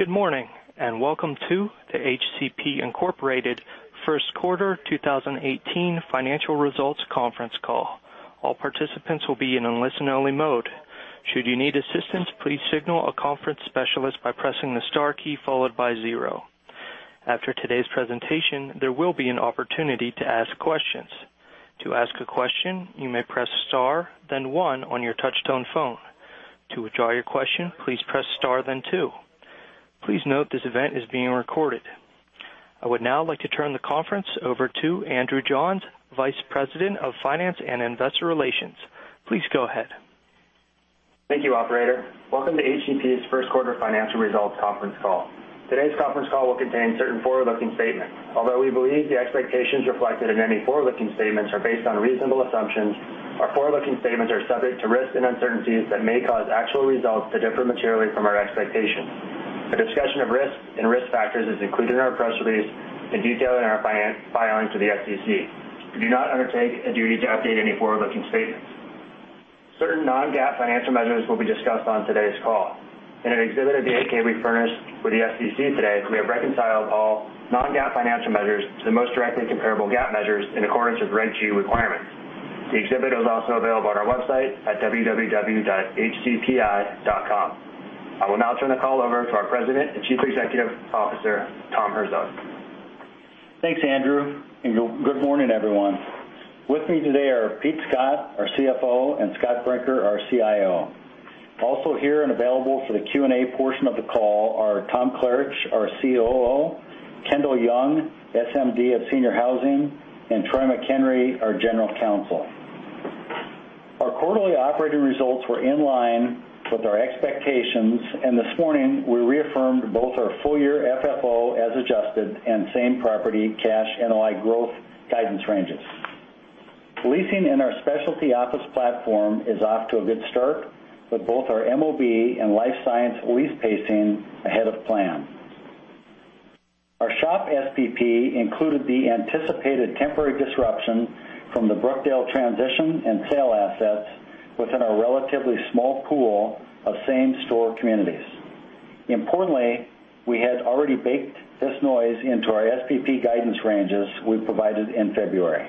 Good morning. Welcome to the HCP, Inc. First Quarter 2018 Financial Results Conference Call. All participants will be in a listen-only mode. Should you need assistance, please signal a conference specialist by pressing the star key followed by zero. After today's presentation, there will be an opportunity to ask questions. To ask a question, you may press star then one on your touch-tone phone. To withdraw your question, please press star then two. Please note this event is being recorded. I would now like to turn the conference over to Andrew Johns, Vice President of Finance and Investor Relations. Please go ahead. Thank you, operator. Welcome to HCP's first quarter financial results conference call. Today's conference call will contain certain forward-looking statements. Although we believe the expectations reflected in any forward-looking statements are based on reasonable assumptions, our forward-looking statements are subject to risks and uncertainties that may cause actual results to differ materially from our expectations. A discussion of risks and risk factors is included in our press release in detail in our filings to the SEC. We do not undertake a duty to update any forward-looking statements. Certain non-GAAP financial measures will be discussed on today's call. In an exhibit of the 8-K we furnished with the SEC today, we have reconciled all non-GAAP financial measures to the most directly comparable GAAP measures in accordance with Reg G requirements. The exhibit is also available on our website at www.hcpi.com. I will now turn the call over to our President and Chief Executive Officer, Tom Herzog. Thanks, Andrew, and good morning, everyone. With me today are Pete Scott, our CFO, and Scott Brinker, our CIO. Also here and available for the Q&A portion of the call are Tom Klisch, our COO, Kendall Young, SMD of Senior Housing, and Troy McHenry, our General Counsel. Our quarterly operating results were in line with our expectations, and this morning, we reaffirmed both our full-year FFO as adjusted and same-property cash NOI growth guidance ranges. Leasing in our specialty office platform is off to a good start with both our MOB and life science lease pacing ahead of plan. Our SHOP SPP included the anticipated temporary disruption from the Brookdale transition and sale assets within our relatively small pool of same-store communities. Importantly, we had already baked this noise into our SPP guidance ranges we provided in February.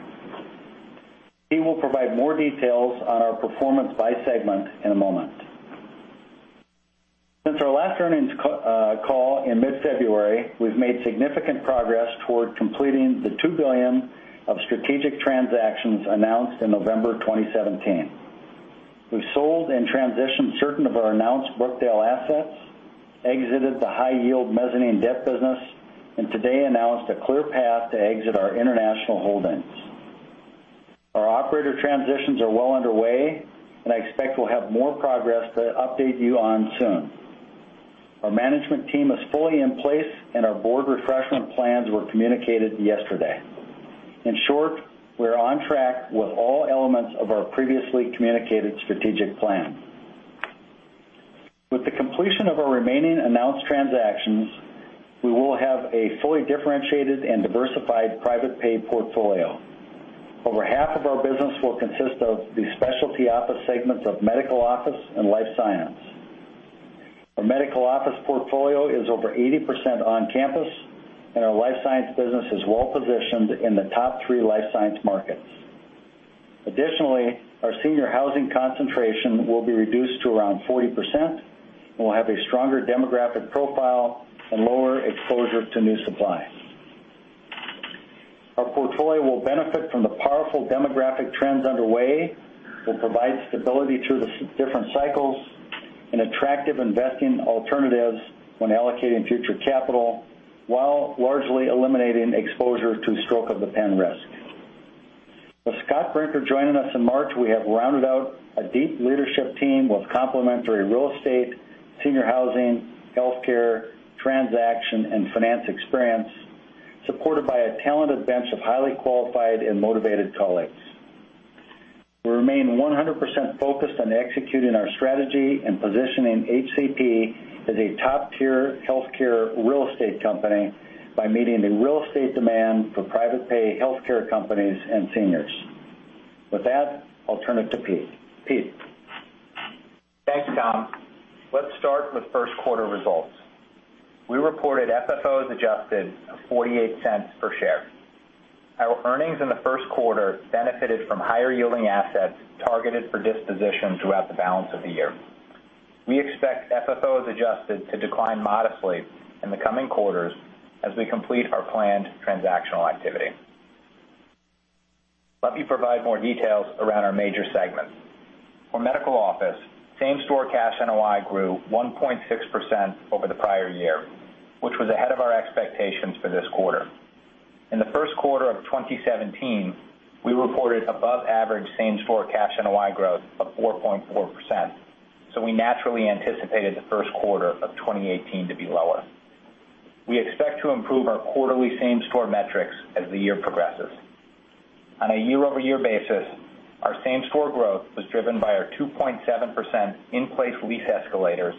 Pete will provide more details on our performance by segment in a moment. Since our last earnings call in mid-February, we've made significant progress toward completing the $2 billion of strategic transactions announced in November 2017. We've sold and transitioned certain of our announced Brookdale assets, exited the high-yield mezzanine debt business, and today announced a clear path to exit our international holdings. Our operator transitions are well underway, and I expect we'll have more progress to update you on soon. Our management team is fully in place, and our board refreshment plans were communicated yesterday. In short, we are on track with all elements of our previously communicated strategic plan. With the completion of our remaining announced transactions, we will have a fully differentiated and diversified private pay portfolio. Over half of our business will consist of the specialty office segments of medical office and life science. Our medical office portfolio is over 80% on campus, and our life science business is well-positioned in the top three life science markets. Additionally, our senior housing concentration will be reduced to around 40%, and we'll have a stronger demographic profile and lower exposure to new supply. Our portfolio will benefit from the powerful demographic trends underway that provide stability through the different cycles and attractive investing alternatives when allocating future capital, while largely eliminating exposure to stroke of the pen risk. With Scott Brinker joining us in March, we have rounded out a deep leadership team with complementary real estate, senior housing, healthcare, transaction, and finance experience, supported by a talented bench of highly qualified and motivated colleagues. We remain 100% focused on executing our strategy and positioning HCP as a top-tier healthcare real estate company by meeting the real estate demand for private pay healthcare companies and seniors. With that, I'll turn it to Pete. Pete? Thanks, Tom. Let's start with first quarter results. We reported FFOs adjusted of $0.48 per share. Our earnings in the first quarter benefited from higher-yielding assets targeted for disposition throughout the balance of the year. We expect FFOs adjusted to decline modestly in the coming quarters as we complete our planned transactional activity. Let me provide more details around our major segments. For medical office, same-store cash NOI grew 1.6% over the prior year, which was ahead of our expectations for this quarter. In the first quarter of 2017, we reported above-average same-store cash NOI growth of 4.4%. We naturally anticipated the first quarter of 2018 to be lower. We expect to improve our quarterly same-store metrics as the year progresses. On a year-over-year basis, our same-store growth was driven by our 2.7% in-place lease escalators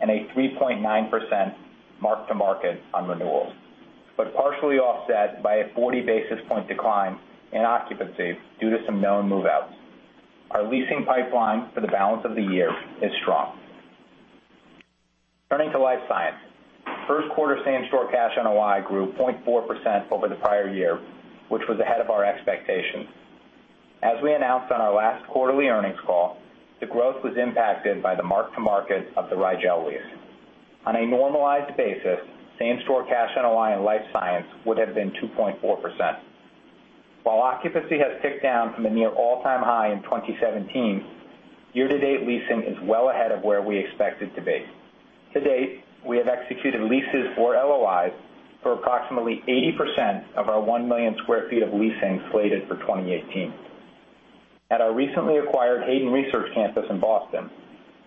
and a 3.9% mark-to-market on renewals, partially offset by a 40-basis-point decline in occupancy due to some known move-outs. Our leasing pipeline for the balance of the year is strong. Turning to life science. First quarter same-store cash NOI grew 0.4% over the prior year, which was ahead of our expectations. As we announced on our last quarterly earnings call, the growth was impacted by the mark-to-market of the Rigel lease. On a normalized basis, same-store cash NOI in life science would have been 2.4%. While occupancy has ticked down from a near all-time high in 2017, year-to-date leasing is well ahead of where we expected to be. To date, we have executed leases for LOIs for approximately 80% of our 1 million square feet of leasing slated for 2018. At our recently acquired Hayden Research Campus in Boston,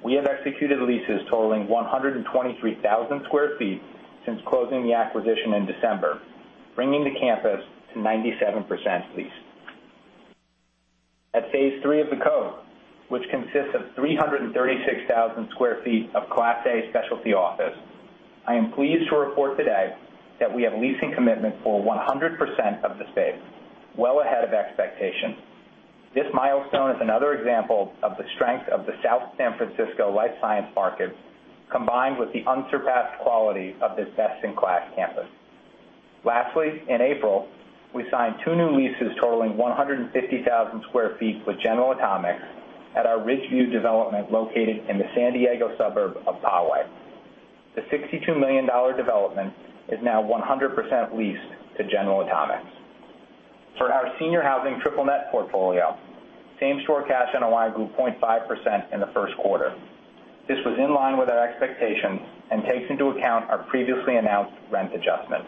we have executed leases totaling 123,000 square feet since closing the acquisition in December, bringing the campus to 97% leased. At phase three of The Cove, which consists of 336,000 square feet of class A specialty office, I am pleased to report today that we have leasing commitment for 100% of the space, well ahead of expectation. This milestone is another example of the strength of the South San Francisco life science market, combined with the unsurpassed quality of this best-in-class campus. Lastly, in April, we signed two new leases totaling 150,000 square feet with General Atomics at our Ridgeview development located in the San Diego suburb of Poway. The $62 million development is now 100% leased to General Atomics. For our senior housing triple-net portfolio, same-store cash NOI grew 0.5% in the first quarter. This was in line with our expectations and takes into account our previously announced rent adjustment.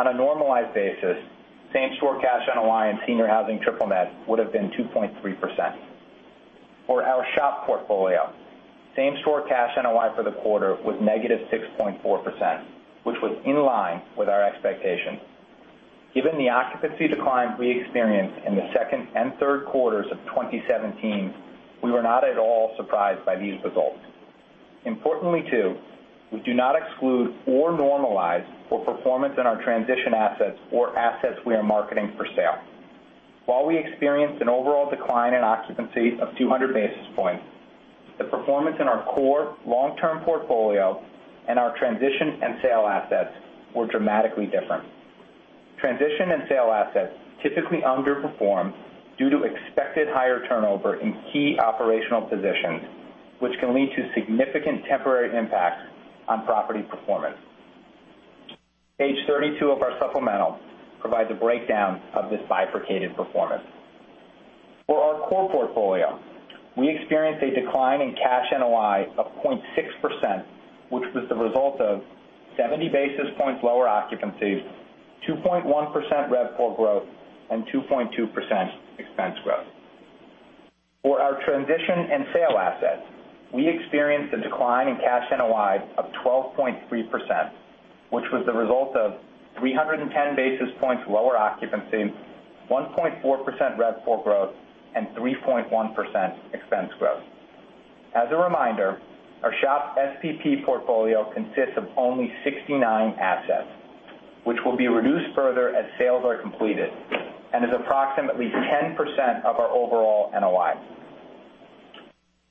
On a normalized basis, same-store cash NOI in senior housing triple-net would've been 2.3%. For our SHOP portfolio, same-store cash NOI for the quarter was negative 6.4%, which was in line with our expectations. Given the occupancy decline we experienced in the second and third quarters of 2017, we were not at all surprised by these results. Importantly, too, we do not exclude or normalize for performance in our transition assets or assets we are marketing for sale. While we experienced an overall decline in occupancy of 200 basis points, the performance in our core long-term portfolio and our transition and sale assets were dramatically different. Transition and sale assets typically underperform due to expected higher turnover in key operational positions, which can lead to significant temporary impacts on property performance. Page 32 of our supplemental provides a breakdown of this bifurcated performance. For our core portfolio, we experienced a decline in cash NOI of 0.6%, which was the result of 70 basis points lower occupancy, 2.1% RevPAR growth, and 2.2% expense growth. For our transition and sale assets, we experienced a decline in cash NOI of 12.3%, which was the result of 310 basis points lower occupancy, 1.4% RevPAR growth, and 3.1% expense growth. As a reminder, our SHOP SPP portfolio consists of only 69 assets, which will be reduced further as sales are completed, and is approximately 10% of our overall NOI.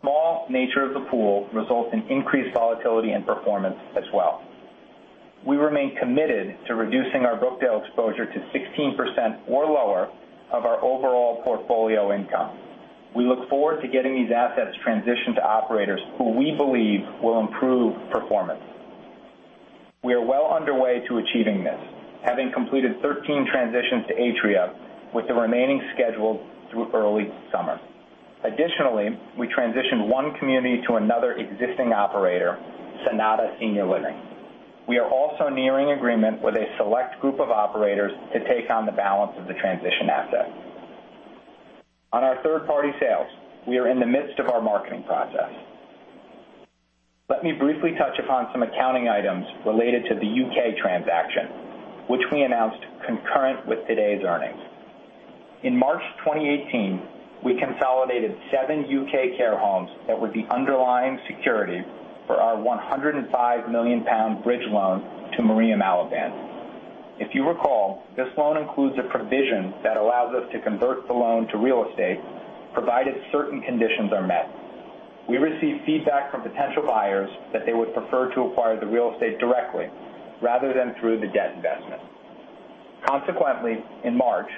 Small nature of the pool results in increased volatility and performance as well. We remain committed to reducing our Brookdale exposure to 16% or lower of our overall portfolio income. We look forward to getting these assets transitioned to operators who we believe will improve performance. We are well underway to achieving this, having completed 13 transitions to Atria, with the remaining scheduled through early summer. Additionally, we transitioned one community to another existing operator, Sonata Senior Living. We are also nearing agreement with a select group of operators to take on the balance of the transition assets. On our third-party sales, we are in the midst of our marketing process. Let me briefly touch upon some accounting items related to the U.K. transaction, which we announced concurrent with today's earnings. In March 2018, we consolidated seven U.K. care homes that were the underlying security for our 105 million pound bridge loan to Maria Mallaband. If you recall, this loan includes a provision that allows us to convert the loan to real estate, provided certain conditions are met. We received feedback from potential buyers that they would prefer to acquire the real estate directly, rather than through the debt investment. Consequently, in March,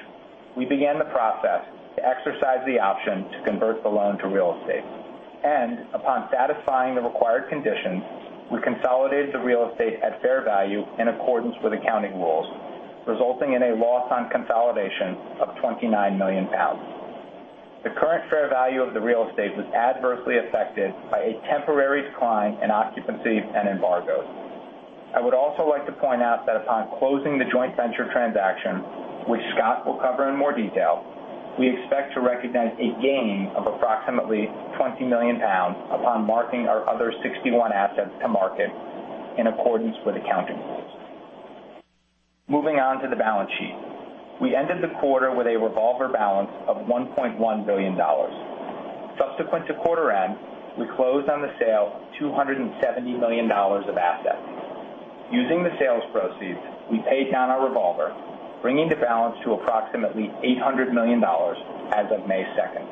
we began the process to exercise the option to convert the loan to real estate. Upon satisfying the required conditions, we consolidated the real estate at fair value in accordance with accounting rules, resulting in a loss on consolidation of 29 million pounds. The current fair value of the real estate was adversely affected by a temporary decline in occupancy and embargoes. I would also like to point out that upon closing the joint venture transaction, which Scott will cover in more detail, we expect to recognize a gain of approximately 20 million pounds upon marking our other 61 assets to market in accordance with accounting rules. Moving on to the balance sheet. We ended the quarter with a revolver balance of $1.1 billion. Subsequent to quarter end, we closed on the sale of $270 million of assets. Using the sales proceeds, we paid down our revolver, bringing the balance to approximately $800 million as of May 2nd.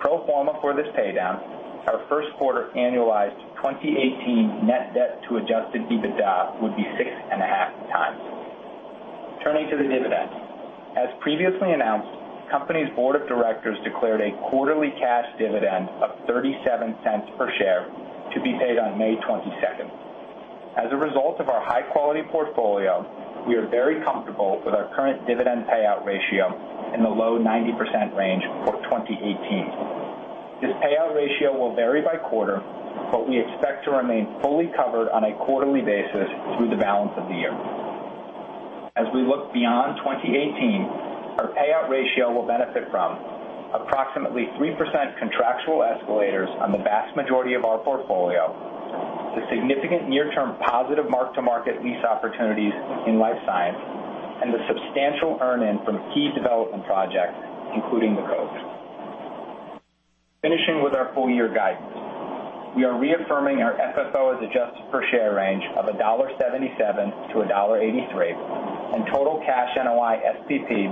Pro forma for this pay down, our first quarter annualized 2018 net debt to adjusted EBITDA would be six and a half times. Turning to the dividend. As previously announced, company's board of directors declared a quarterly cash dividend of $0.37 per share to be paid on May 22nd. As a result of our high-quality portfolio, we are very comfortable with our current dividend payout ratio in the low 90% range for 2018. This payout ratio will vary by quarter, but we expect to remain fully covered on a quarterly basis through the balance of the year. As we look beyond 2018, our payout ratio will benefit from approximately 3% contractual escalators on the vast majority of our portfolio, the significant near-term positive mark-to-market lease opportunities in life science, and the substantial earn-in from key development projects, including The Cove. Finishing with our full-year guidance. We are reaffirming our FFO as adjusted per share range of $1.77 to $1.83 and total cash NOI SPPs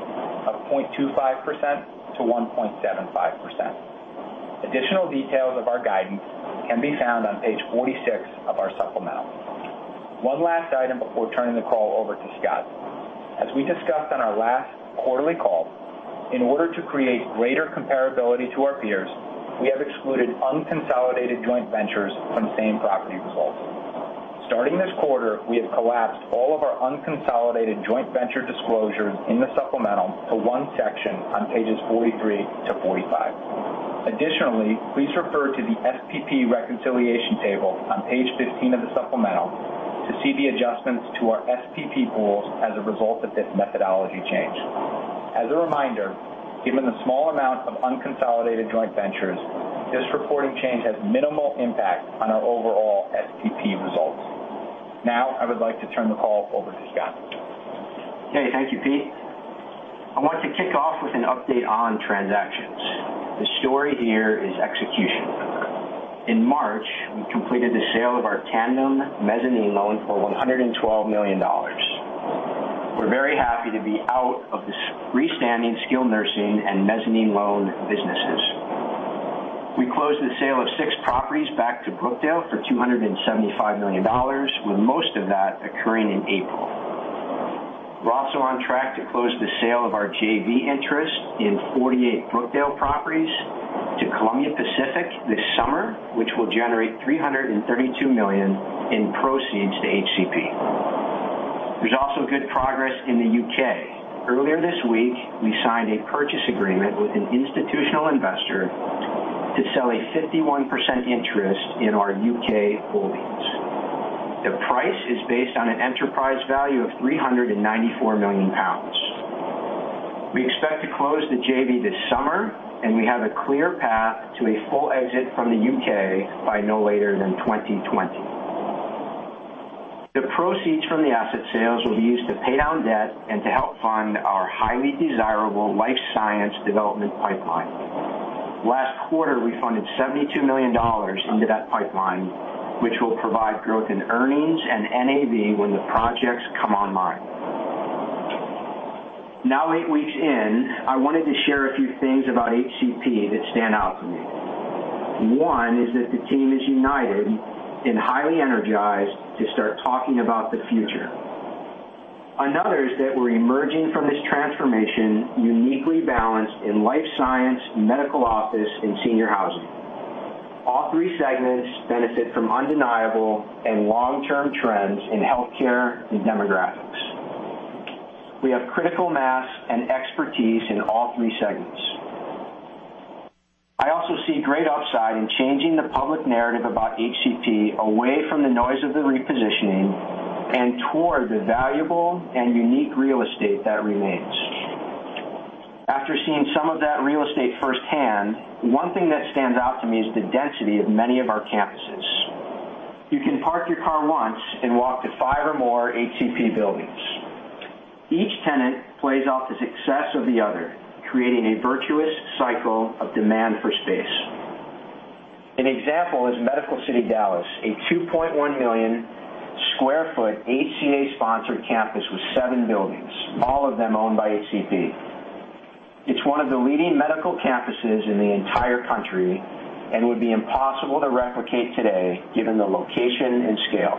of 0.25%-1.75%. Additional details of our guidance can be found on page 46 of our supplemental. One last item before turning the call over to Scott. As we discussed on our last quarterly call, in order to create greater comparability to our peers, we have excluded unconsolidated joint ventures from same-property results. Starting this quarter, we have collapsed all of our unconsolidated joint venture disclosures in the supplemental to one section on pages 43 to 45. Please refer to the SPP reconciliation table on page 15 of the supplemental to see the adjustments to our SPP goals as a result of this methodology change. As a reminder, given the small amount of unconsolidated joint ventures, this reporting change has minimal impact on our overall SPP results. I would like to turn the call over to Scott. Thank you, Pete. I want to kick off with an update on transactions. The story here is execution. In March, we completed the sale of our Tandem mezzanine loan for $112 million. We are very happy to be out of this freestanding skilled nursing and mezzanine loan businesses. We closed the sale of six properties back to Brookdale for $275 million, with most of that occurring in April. We are also on track to close the sale of our JV interest in 48 Brookdale properties to Columbia Pacific this summer, which will generate $332 million in proceeds to HCP. There is also good progress in the U.K. Earlier this week, we signed a purchase agreement with an institutional investor to sell a 51% interest in our U.K. holdings. The price is based on an enterprise value of 394 million pounds. We expect to close the JV this summer, and we have a clear path to a full exit from the U.K. by no later than 2020. The proceeds from the asset sales will be used to pay down debt and to help fund our highly desirable life science development pipeline. Last quarter, we funded $72 million into that pipeline, which will provide growth in earnings and NAV when the projects come online. Eight weeks in, I wanted to share a few things about HCP that stand out for me. One is that the team is united and highly energized to start talking about the future. Another is that we are emerging from this transformation uniquely balanced in life science, medical office, and senior housing. All three segments benefit from undeniable and long-term trends in healthcare and demographics. We have critical mass and expertise in all three segments. I also see great upside in changing the public narrative about HCP away from the noise of the repositioning and toward the valuable and unique real estate that remains. After seeing some of that real estate firsthand, one thing that stands out to me is the density of many of our campuses. You can park your car once and walk to five or more HCP buildings. Each tenant plays off the success of the other, creating a virtuous cycle of demand for space. An example is Medical City Dallas, a 2.1 million sq ft HCA-sponsored campus with seven buildings, all of them owned by HCP. It's one of the leading medical campuses in the entire country and would be impossible to replicate today given the location and scale.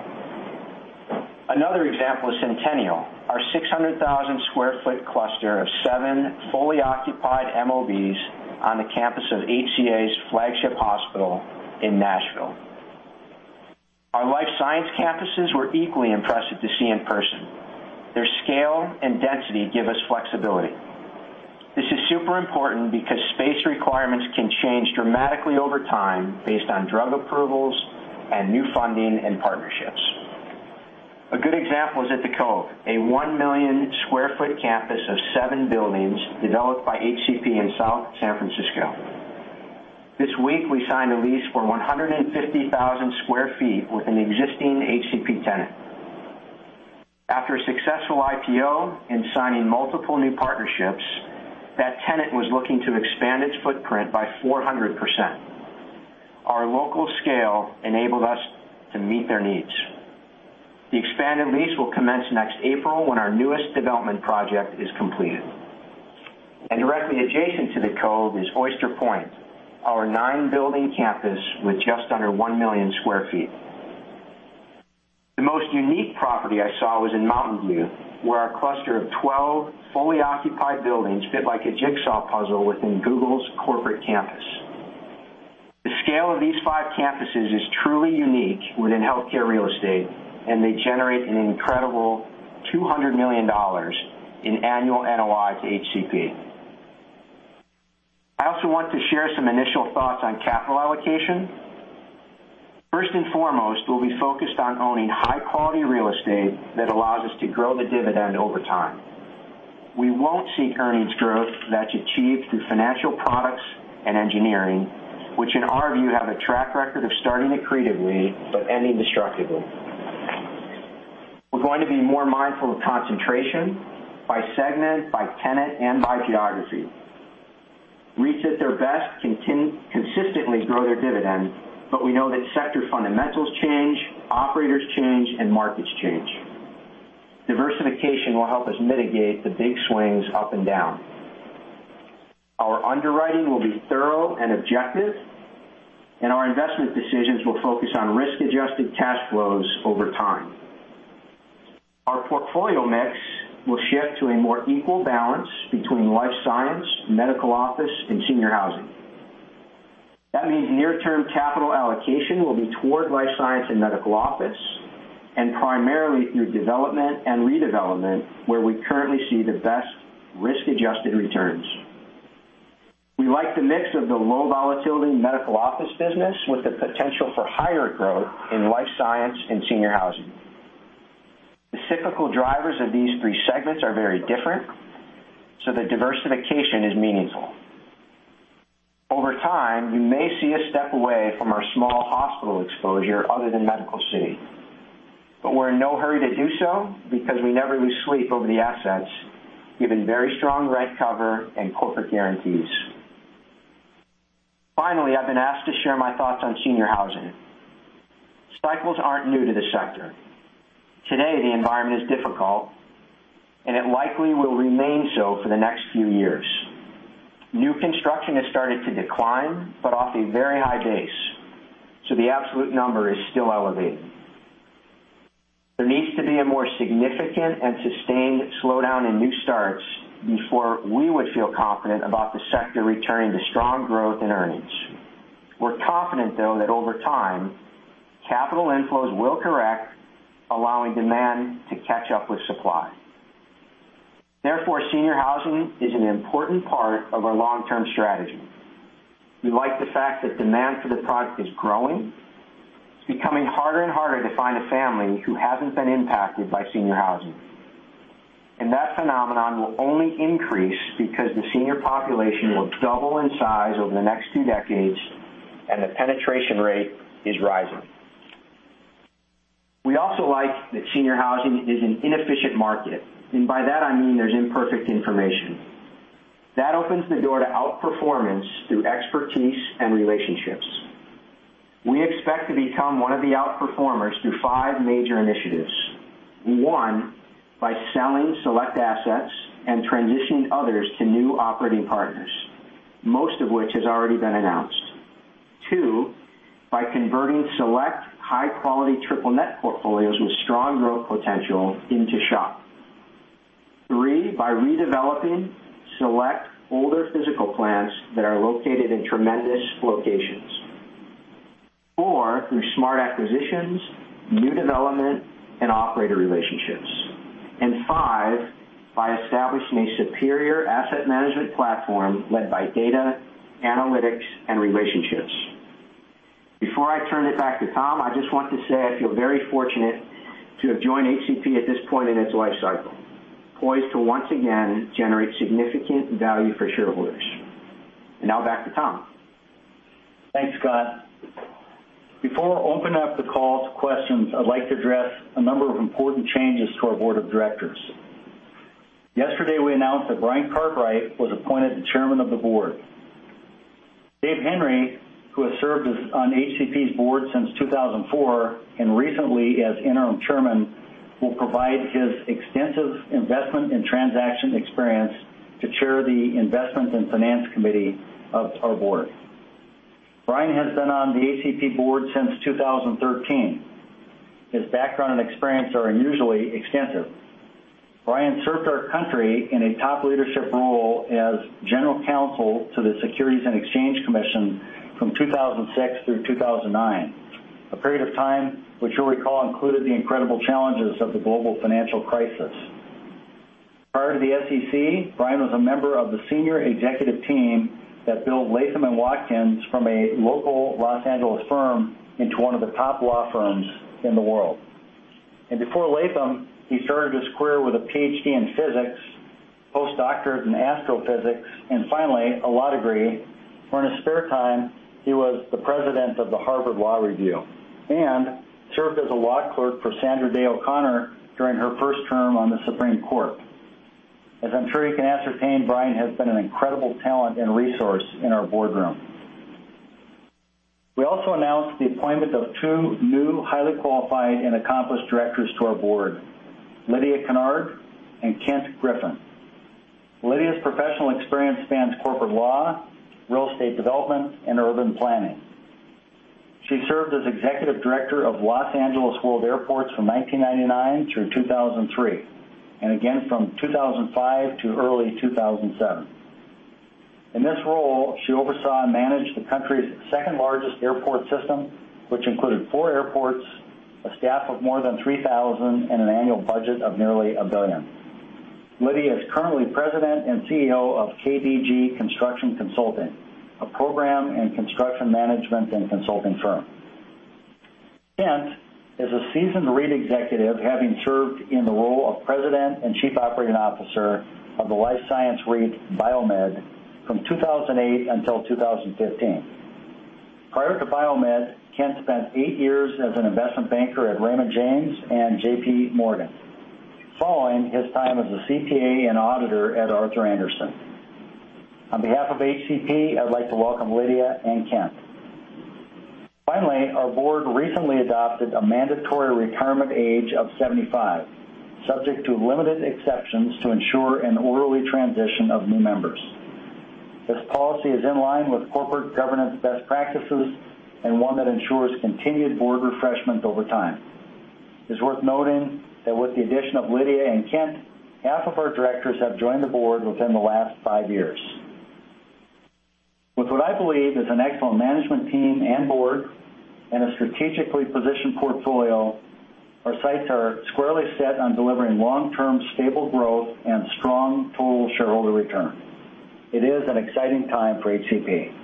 Another example is Centennial, our 600,000 sq ft cluster of seven fully occupied MOBs on the campus of HCA's flagship hospital in Nashville. Our life science campuses were equally impressive to see in person. Their scale and density give us flexibility. This is super important because space requirements can change dramatically over time based on drug approvals and new funding and partnerships. A good example is at The Cove, a 1 million sq ft campus of seven buildings developed by HCP in South San Francisco. This week, we signed a lease for 150,000 sq ft with an existing HCP tenant. After a successful IPO and signing multiple new partnerships, that tenant was looking to expand its footprint by 400%. Our local scale enabled us to meet their needs. The expanded lease will commence next April when our newest development project is completed. Directly adjacent to The Cove is Oyster Point, our nine-building campus with just under 1 million sq ft. The most unique property I saw was in Mountain View, where our cluster of 12 fully occupied buildings fit like a jigsaw puzzle within Google's corporate campus. The scale of these five campuses is truly unique within healthcare real estate, and they generate an incredible $200 million in annual NOI to HCP. I also want to share some initial thoughts on capital allocation. First and foremost, we'll be focused on owning high-quality real estate that allows us to grow the dividend over time. We won't seek earnings growth that's achieved through financial products and engineering, which in our view have a track record of starting creatively but ending destructively. We're going to be more mindful of concentration by segment, by tenant, and by geography. REITs at their best consistently grow their dividends, we know that sector fundamentals change, operators change, and markets change. Diversification will help us mitigate the big swings up and down. Our underwriting will be thorough and objective, and our investment decisions will focus on risk-adjusted cash flows over time. Our portfolio mix will shift to a more equal balance between life science, medical office, and senior housing. That means near-term capital allocation will be toward life science and medical office, and primarily through development and redevelopment, where we currently see the best risk-adjusted returns. We like the mix of the low volatility in medical office business with the potential for higher growth in life science and senior housing. The cyclical drivers of these three segments are very different, so the diversification is meaningful. Over time, you may see us step away from our small hospital exposure other than Medical City. We're in no hurry to do so because we never lose sleep over the assets, given very strong rent cover and corporate guarantees. Finally, I've been asked to share my thoughts on senior housing. Cycles aren't new to the sector. Today, the environment is difficult, and it likely will remain so for the next few years. New construction has started to decline, but off a very high base, the absolute number is still elevated. There needs to be a more significant and sustained slowdown in new starts before we would feel confident about the sector returning to strong growth in earnings. We're confident, though, that over time, capital inflows will correct, allowing demand to catch up with supply. Senior housing is an important part of our long-term strategy. We like the fact that demand for the product is growing. It's becoming harder and harder to find a family who hasn't been impacted by senior housing. That phenomenon will only increase because the senior population will double in size over the next two decades and the penetration rate is rising. We also like that senior housing is an inefficient market, and by that I mean there's imperfect information. That opens the door to outperformance through expertise and relationships. We expect to become one of the outperformers through five major initiatives. One, by selling select assets and transitioning others to new operating partners, most of which has already been announced. Two, by converting select high-quality triple-net portfolios with strong growth potential into SHOP. Three, by redeveloping select older physical plants that are located in tremendous locations. Four, through smart acquisitions, new development, and operator relationships. Five, by establishing a superior asset management platform led by data, analytics, and relationships. Before I turn it back to Tom, I just want to say I feel very fortunate to have joined HCP at this point in its life cycle, poised to once again generate significant value for shareholders. Now back to Tom. Thanks, Scott. Before we open up the call to questions, I'd like to address a number of important changes to our board of directors. Yesterday, we announced that Brian Cartwright was appointed the Chairman of the Board. Dave Henry, who has served on HCP's board since 2004 and recently as Interim Chairman, will provide his extensive investment and transaction experience to chair the Investment and Finance Committee of our board. Brian has been on the HCP board since 2013. His background and experience are unusually extensive. Brian served our country in a top leadership role as General Counsel to the Securities and Exchange Commission from 2006 through 2009, a period of time which you'll recall included the incredible challenges of the global financial crisis. Prior to the SEC, Brian was a member of the senior executive team that built Latham & Watkins from a local Los Angeles firm into one of the top law firms in the world. Before Latham, he started his career with a Ph.D. in physics postdoctorate in astrophysics, and finally, a law degree, where in his spare time, he was the president of the Harvard Law Review and served as a law clerk for Sandra Day O'Connor during her first term on the Supreme Court. As I'm sure you can ascertain, Brian has been an incredible talent and resource in our boardroom. We also announced the appointment of two new highly qualified and accomplished directors to our board, Lydia Kennard and Kent Griffin. Lydia's professional experience spans corporate law, real estate development, and urban planning. She served as Executive Director of Los Angeles World Airports from 1999 through 2003, and again from 2005 to early 2007. In this role, she oversaw and managed the country's second-largest airport system, which included four airports, a staff of more than 3,000, and an annual budget of nearly $1 billion. Lydia is currently President and CEO of KBG Construction Consulting, a program and construction management and consulting firm. Kent is a seasoned REIT executive, having served in the role of President and Chief Operating Officer of the life science REIT BioMed from 2008 until 2015. Prior to BioMed, Kent spent eight years as an investment banker at Raymond James and J.P. Morgan, following his time as a CPA and auditor at Arthur Andersen. On behalf of HCP, I'd like to welcome Lydia and Kent. Finally, our board recently adopted a mandatory retirement age of 75, subject to limited exceptions to ensure an orderly transition of new members. This policy is in line with corporate governance best practices and one that ensures continued board refreshment over time. It's worth noting that with the addition of Lydia and Kent, half of our directors have joined the board within the last five years. With what I believe is an excellent management team and board and a strategically positioned portfolio, our sights are squarely set on delivering long-term, stable growth and strong total shareholder return. It is an exciting time for HCP.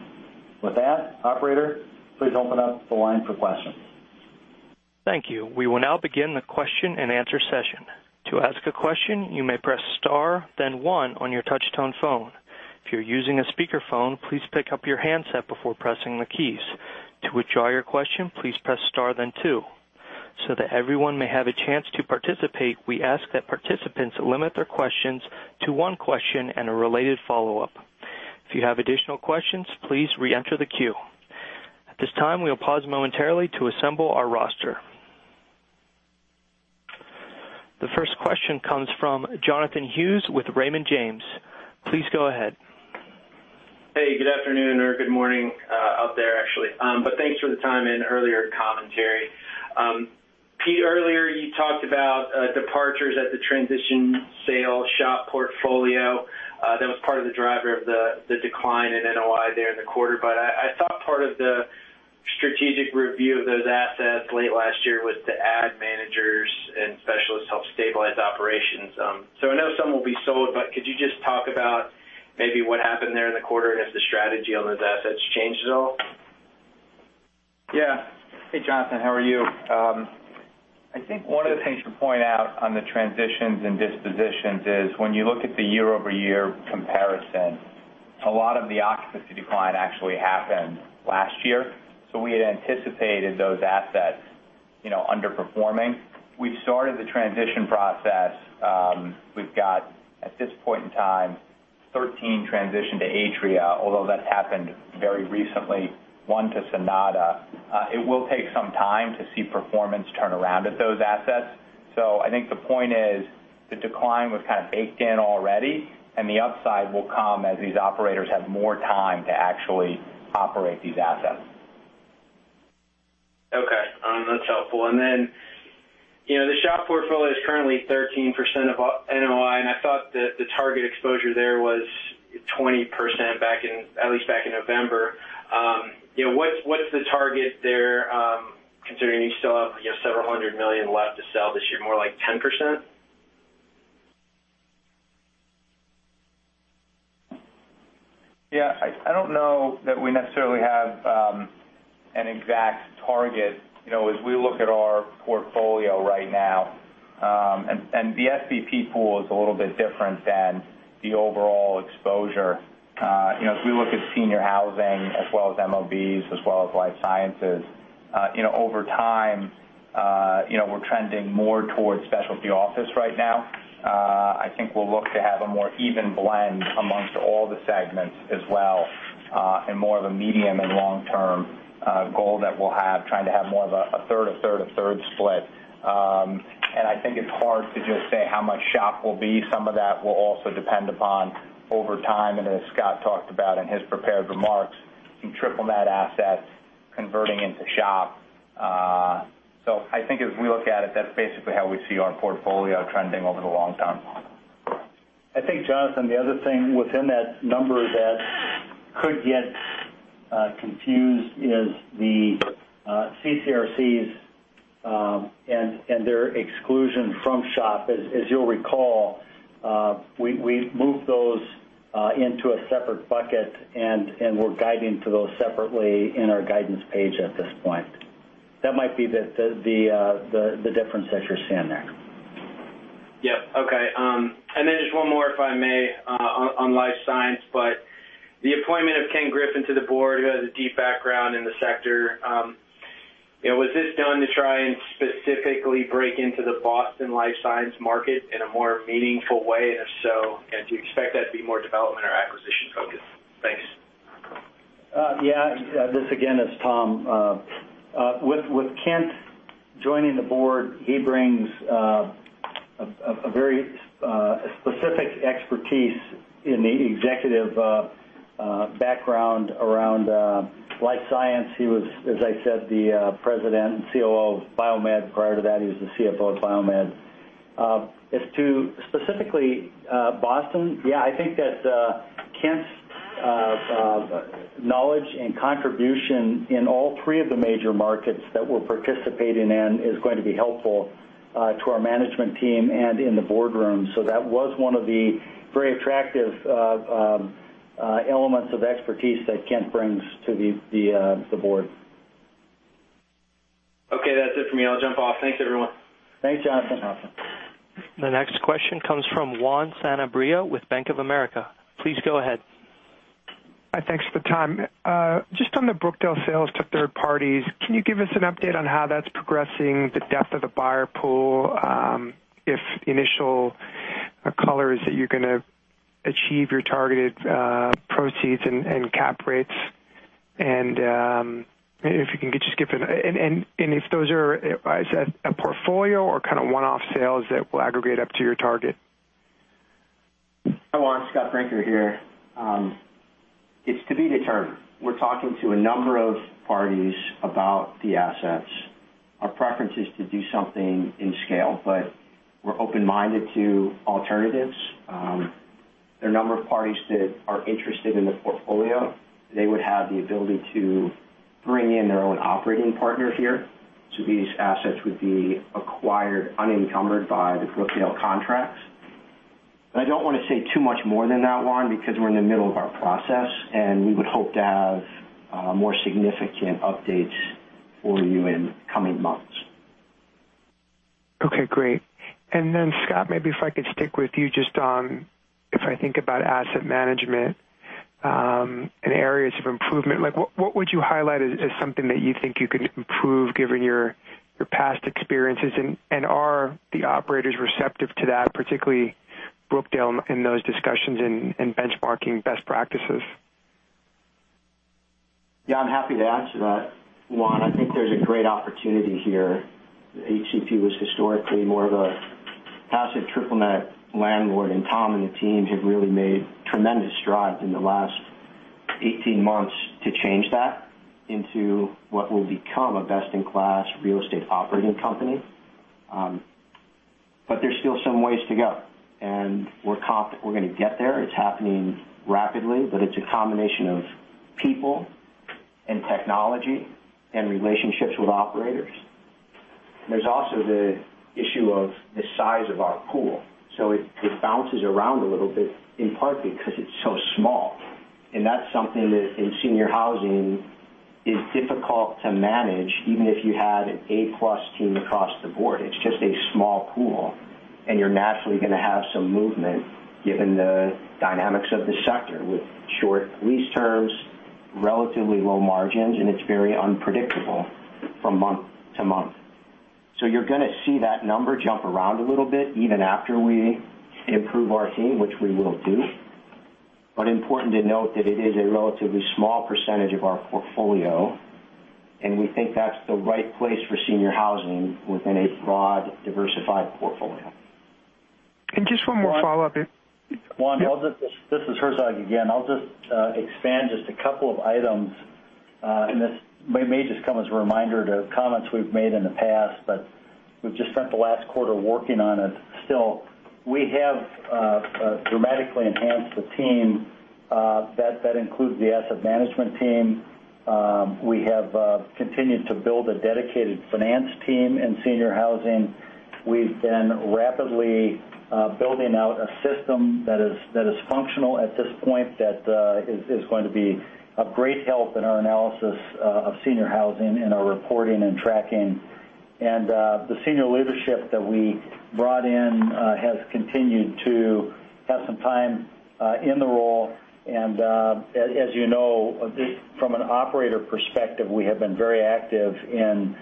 Operator, please open up the line for questions. Thank you. We will now begin the question-and-answer session. To ask a question, you may press star then one on your touch-tone phone. If you're using a speakerphone, please pick up your handset before pressing the keys. To withdraw your question, please press star then two. That everyone may have a chance to participate, we ask that participants limit their questions to one question and a related follow-up. If you have additional questions, please reenter the queue. At this time, we will pause momentarily to assemble our roster. The first question comes from Jonathan Hughes with Raymond James. Please go ahead. Hey, good afternoon or good morning out there, actually. Thanks for the time and earlier commentary. Pete, earlier you talked about departures at the transition sale SHOP portfolio that was part of the driver of the decline in NOI there in the quarter. I thought part of the strategic review of those assets late last year was to add managers and specialists to help stabilize operations. I know some will be sold, but could you just talk about maybe what happened there in the quarter and if the strategy on those assets changed at all? Yeah. Hey, Jonathan. How are you? I think one of the things to point out on the transitions and dispositions is when you look at the year-over-year comparison, a lot of the occupancy decline actually happened last year. We had anticipated those assets underperforming. We've started the transition process. We've got, at this point in time, 13 transitioned to Atria, although that happened very recently, one to Sonata. It will take some time to see performance turn around at those assets. I think the point is the decline was kind of baked in already, and the upside will come as these operators have more time to actually operate these assets. Okay. That's helpful. The SHOP portfolio is currently 13% of NOI, and I thought that the target exposure there was 20%, at least back in November. What's the target there, considering you still have $several hundred million left to sell this year, more like 10%? Yeah. I don't know that we necessarily have an exact target. As we look at our portfolio right now, the SHOP pool is a little bit different than the overall exposure. As we look at senior housing as well as MOBs, as well as life sciences, over time we're trending more towards specialty office right now. I think we'll look to have a more even blend amongst all the segments as well, and more of a medium and long-term goal that we'll have, trying to have more of a third, a third, a third split. I think it's hard to just say how much SHOP will be. Some of that will also depend upon over time, and as Scott talked about in his prepared remarks, some triple-net assets converting into SHOP. I think as we look at it, that's basically how we see our portfolio trending over the long term. I think, Jonathan, the other thing within that number that could get confused is the CCRCs, and their exclusion from SHOP. Into a separate bucket, and we're guiding to those separately in our guidance page at this point. That might be the difference that you're seeing there. Yep. Okay. Then just one more, if I may, on life science. The appointment of Kent Griffin to the board, who has a deep background in the sector. Was this done to try and specifically break into the Boston life science market in a more meaningful way? If so, and do you expect that to be more development or acquisition-focused? Thanks. Yeah. This again is Tom. With Kent joining the board, he brings a very specific expertise in the executive background around life science. He was, as I said, the President and COO of BioMed. Prior to that, he was the CFO of BioMed. As to specifically Boston, yeah, I think that Kent's knowledge and contribution in all three of the major markets that we're participating in is going to be helpful to our management team and in the boardroom. That was one of the very attractive elements of expertise that Kent brings to the board. Okay, that's it for me. I'll jump off. Thanks, everyone. Thanks, Jonathan. Awesome. The next question comes from Juan Sanabria with Bank of America. Please go ahead. Thanks for the time. Just on the Brookdale sales to third parties, can you give us an update on how that's progressing, the depth of the buyer pool, if initial color is that you're going to achieve your targeted proceeds and cap rates? Is that a portfolio or kind of one-off sales that will aggregate up to your target? Hi, Juan. Scott Brinker here. It's to be determined. We're talking to a number of parties about the assets. Our preference is to do something in scale, but we're open-minded to alternatives. There are a number of parties that are interested in the portfolio. They would have the ability to bring in their own operating partner here. These assets would be acquired unencumbered by the Brookdale contracts. I don't want to say too much more than that, Juan, because we're in the middle of our process, and we would hope to have more significant updates for you in the coming months. Okay, great. Scott, maybe if I could stick with you just on, if I think about asset management, and areas of improvement, what would you highlight as something that you think you can improve given your past experiences? Are the operators receptive to that, particularly Brookdale in those discussions and benchmarking best practices? Yeah, I'm happy to answer that, Juan. I think there's a great opportunity here. HCP was historically more of a passive triple-net landlord, and Tom and the team have really made tremendous strides in the last 18 months to change that into what will become a best-in-class real estate operating company. There's still some ways to go, and we're confident we're going to get there. It's happening rapidly, but it's a combination of people and technology and relationships with operators. There's also the issue of the size of our pool. It bounces around a little bit, in part because it's so small. That's something that in senior housing is difficult to manage, even if you had an A-plus team across the board. It's just a small pool, you're naturally going to have some movement given the dynamics of the sector with short lease terms, relatively low margins, and it's very unpredictable from month to month. You're going to see that number jump around a little bit, even after we improve our team, which we will do. Important to note that it is a relatively small percentage of our portfolio, and we think that's the right place for senior housing within a broad, diversified portfolio. Just one more follow-up here. Juan, this is Herzog again. I'll just expand just a couple of items, and this may just come as a reminder to comments we've made in the past, but we've just spent the last quarter working on it still. We have dramatically enhanced the team. That includes the asset management team. We have continued to build a dedicated finance team in senior housing. We've been rapidly building out a system that is functional at this point that is going to be of great help in our analysis of senior housing and our reporting and tracking. The senior leadership that we brought in has continued to have some time in the role. As you know, from an operator perspective, we have been very active in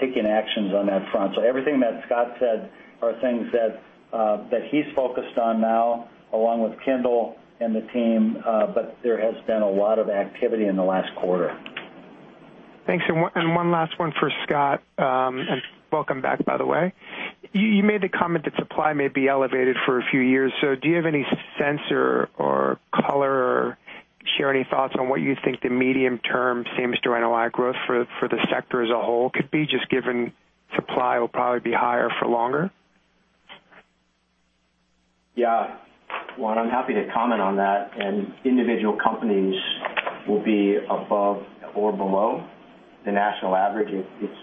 taking actions on that front. Everything that Scott said are things that he's focused on now, along with Kendall and the team, but there has been a lot of activity in the last quarter. Thanks. One last one for Scott, and welcome back, by the way. You made the comment that supply may be elevated for a few years. Do you have any sense or color or share any thoughts on what you think the medium-term same-store NOI growth for the sector as a whole could be, just given supply will probably be higher for longer? Yeah. Juan, I'm happy to comment on that, and individual companies will be above or below the national average. It's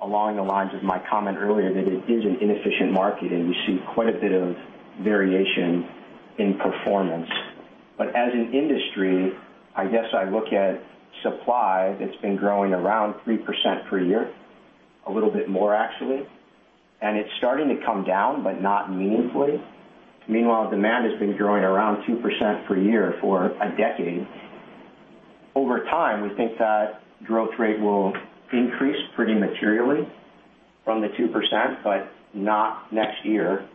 Along the lines of my comment earlier, that it is an inefficient market, and we see quite a bit of variation in performance. As an industry, I guess I look at supply that's been growing around 3% per year, a little bit more actually, and it's starting to come down, but not meaningfully. Meanwhile, demand has been growing around 2% per year for a decade. Over time, we think that growth rate will increase pretty materially from the 2%, but not next year,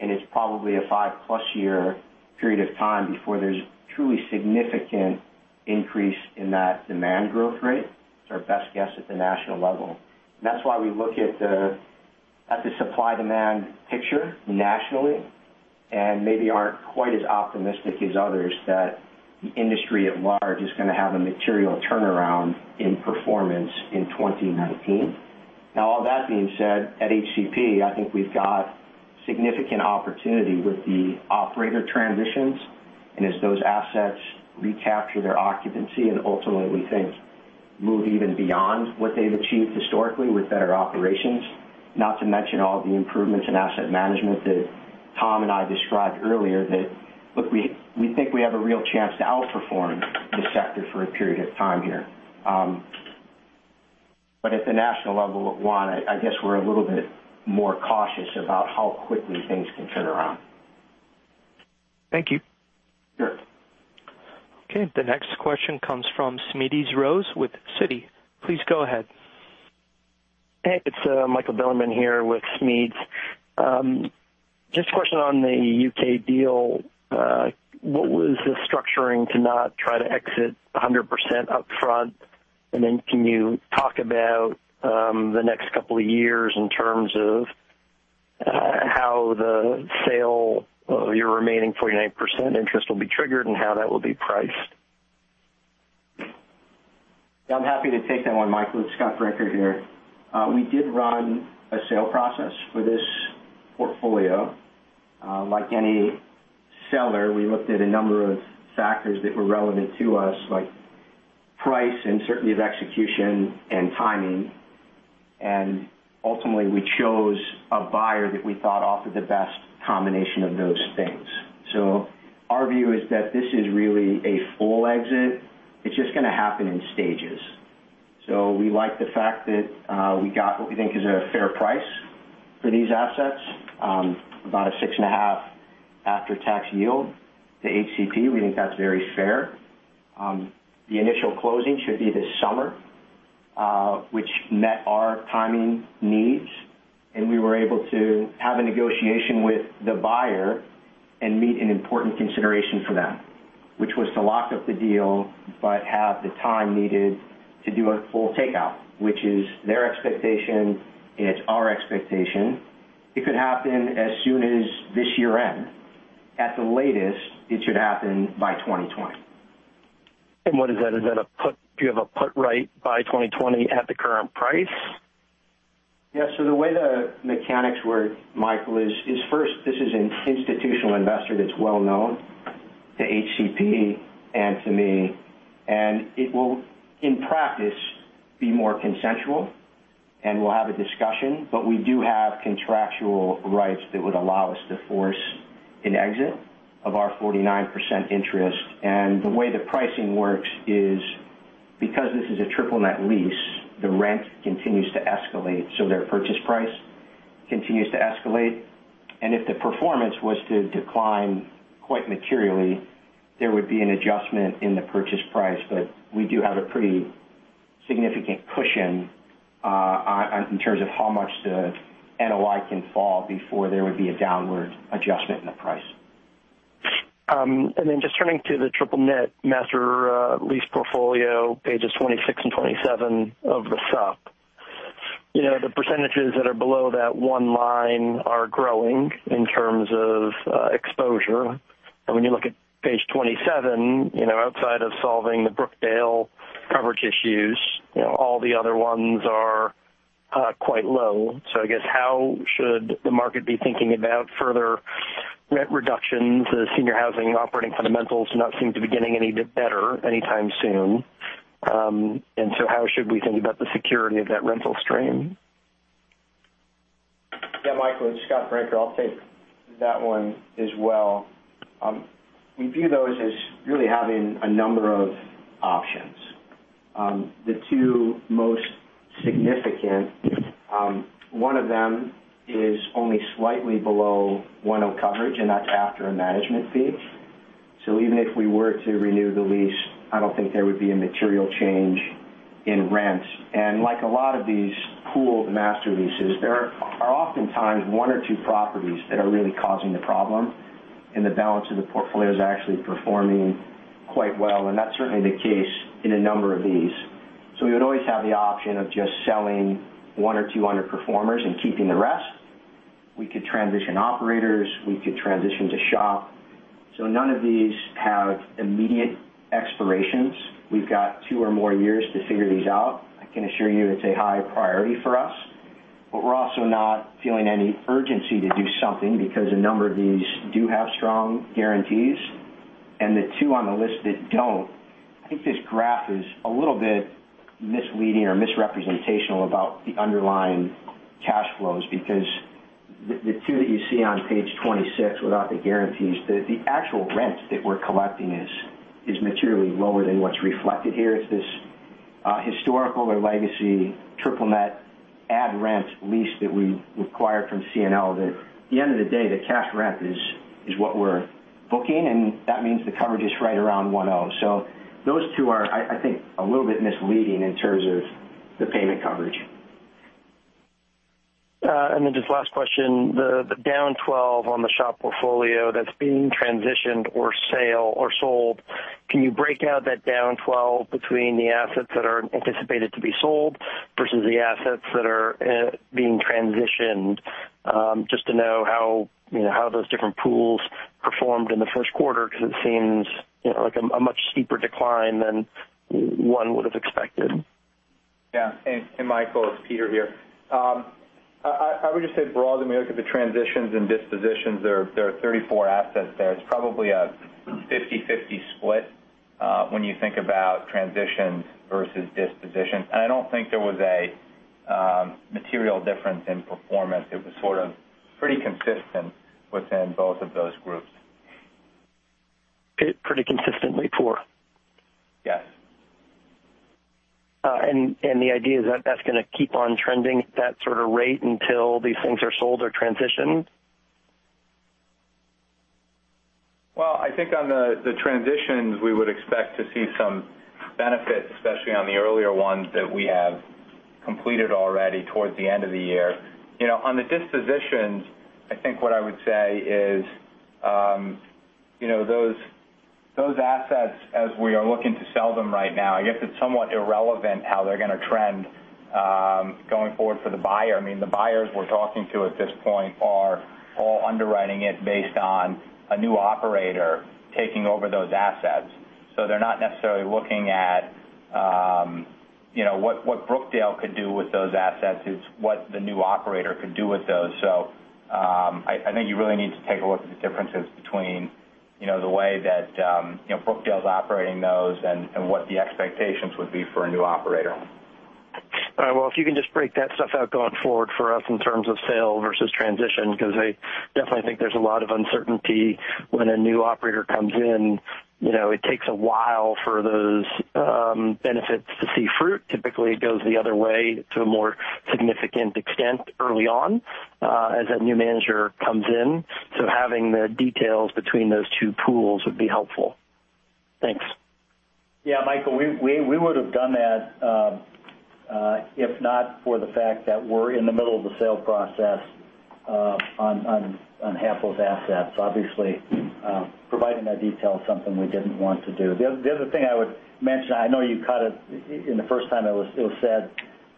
and it's probably a 5-plus year period of time before there's truly significant increase in that demand growth rate. It's our best guess at the national level. That's why we look at the supply-demand picture nationally and maybe aren't quite as optimistic as others that the industry at large is going to have a material turnaround in performance in 2019. All that being said, at HCP, I think we've got significant opportunity with the operator transitions, and as those assets recapture their occupancy and ultimately, we think, move even beyond what they've achieved historically with better operations, not to mention all the improvements in asset management that Tom and I described earlier. That, look, we think we have a real chance to outperform the sector for a period of time here. At the national level, Juan, I guess we're a little bit more cautious about how quickly things can turn around. Thank you. Sure. The next question comes from Smedes Rose with Citi. Please go ahead. Hey, it's Michael Bilerman here with Smedes. A question on the U.K. deal. What was the structuring to not try to exit 100% upfront? Can you talk about the next couple of years in terms of how the sale of your remaining 49% interest will be triggered and how that will be priced? I'm happy to take that one, Michael. It's Scott Brinker here. We did run a sale process for this portfolio. Like any seller, we looked at a number of factors that were relevant to us, like price and certainty of execution and timing. Ultimately, we chose a buyer that we thought offered the best combination of those things. Our view is that this is really a full exit. It's just going to happen in stages. We like the fact that we got what we think is a fair price for these assets, about a six and a half after-tax yield to HCP. We think that's very fair. The initial closing should be this summer, which met our timing needs, and we were able to have a negotiation with the buyer and meet an important consideration for them, which was to lock up the deal, but have the time needed to do a full takeout, which is their expectation, and it's our expectation. It could happen as soon as this year-end. At the latest, it should happen by 2020. What is that? Is that a put? Do you have a put right by 2020 at the current price? Yeah. The way the mechanics work, Michael, is first, this is an institutional investor that's well-known to HCP and to me, and it will, in practice, be more consensual, and we'll have a discussion. But we do have contractual rights that would allow us to force an exit of our 49% interest. The way the pricing works is, because this is a triple-net lease, the rent continues to escalate, so their purchase price continues to escalate, and if the performance was to decline quite materially, there would be an adjustment in the purchase price. We do have a pretty significant cushion in terms of how much the NOI can fall before there would be a downward adjustment in the price. Just turning to the triple-net master lease portfolio, pages 26 and 27 of the sup. The percentages that are below that one line are growing in terms of exposure. When you look at page 27, outside of solving the Brookdale coverage issues, all the other ones are quite low. I guess, how should the market be thinking about further rent reductions as senior housing operating fundamentals do not seem to be getting any better anytime soon? How should we think about the security of that rental stream? Yeah, Michael, it's Scott Brinker. I'll take that one as well. We view those as really having a number of options. The two most significant, one of them is only slightly below 1.0 coverage, and that's after a management fee. Even if we were to renew the lease, I don't think there would be a material change in rent. Like a lot of these pooled master leases, there are oftentimes one or two properties that are really causing the problem, and the balance of the portfolio is actually performing quite well. That's certainly the case in a number of these. We would always have the option of just selling one or two underperformers and keeping the rest. We could transition operators. We could transition to SHOP. None of these have immediate expirations. We've got two or more years to figure these out. I can assure you it's a high priority for us. We're also not feeling any urgency to do something because a number of these do have strong guarantees. The two on the list that don't, I think this graph is a little bit misleading or misrepresentational about the underlying cash flows, because the two that you see on page 26, without the guarantees, the actual rent that we're collecting is materially lower than what's reflected here. It's this historical or legacy triple-net add rent lease that we acquired from CNL that, at the end of the day, the cash rent is what we're booking, and that means the coverage is right around 1.0. Those two are, I think, a little bit misleading in terms of the payment coverage. Just last question, the down 12 on the SHOP portfolio that's being transitioned or sold, can you break out that down 12 between the assets that are anticipated to be sold versus the assets that are being transitioned? Just to know how those different pools performed in the first quarter, because it seems like a much steeper decline than one would've expected. Yeah. Michael Bilerman, it's Peter Scott here. I would just say broadly, when you look at the transitions and dispositions, there are 34 assets there. It's probably a 50/50 split, when you think about transitions versus dispositions. I don't think there was a material difference in performance. It was sort of pretty consistent within both of those groups. Pretty consistently poor? Yes. The idea is that's going to keep on trending at that sort of rate until these things are sold or transitioned? Well, I think on the transitions, we would expect to see some benefits, especially on the earlier ones that we have completed already towards the end of the year. On the dispositions, I think what I would say is, those assets, as we are looking to sell them right now, I guess it's somewhat irrelevant how they're going to trend going forward for the buyer. I mean, the buyers we're talking to at this point are all underwriting it based on a new operator taking over those assets. They're not necessarily looking at what Brookdale could do with those assets. It's what the new operator could do with those. I think you really need to take a look at the differences between the way that Brookdale's operating those and what the expectations would be for a new operator. All right. Well, if you can just break that stuff out going forward for us in terms of sale versus transition, because I definitely think there's a lot of uncertainty when a new operator comes in. It takes a while for those benefits to see fruit. Typically, it goes the other way to a more significant extent early on as that new manager comes in. Having the details between those two pools would be helpful. Thanks. Yeah, Michael, we would've done that, if not for the fact that we're in the middle of the sale process on half those assets. Obviously, providing that detail is something we didn't want to do. The other thing I would mention, I know you caught it in the first time it was said,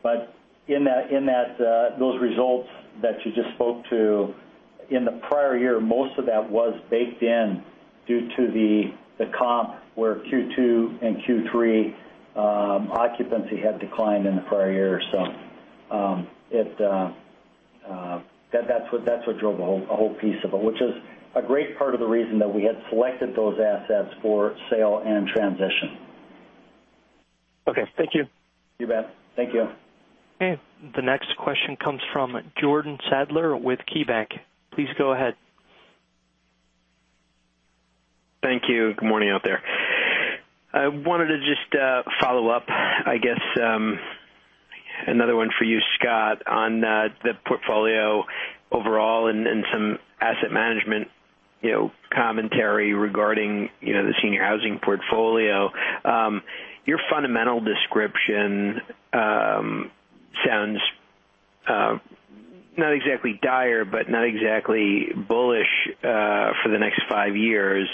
but in those results that you just spoke to, in the prior year, most of that was baked in due to the comp where Q2 and Q3 occupancy had declined in the prior year. That's what drove a whole piece of it, which is a great part of the reason that we had selected those assets for sale and transition. Okay. Thank you. You bet. Thank you. Okay, the next question comes from Jordan Sadler with KeyBanc. Please go ahead. Thank you. Good morning out there. I wanted to just follow up, I guess, another one for you, Scott, on the portfolio overall and some asset management commentary regarding the senior housing portfolio. Your fundamental description sounds not exactly dire, but not exactly bullish for the next five years.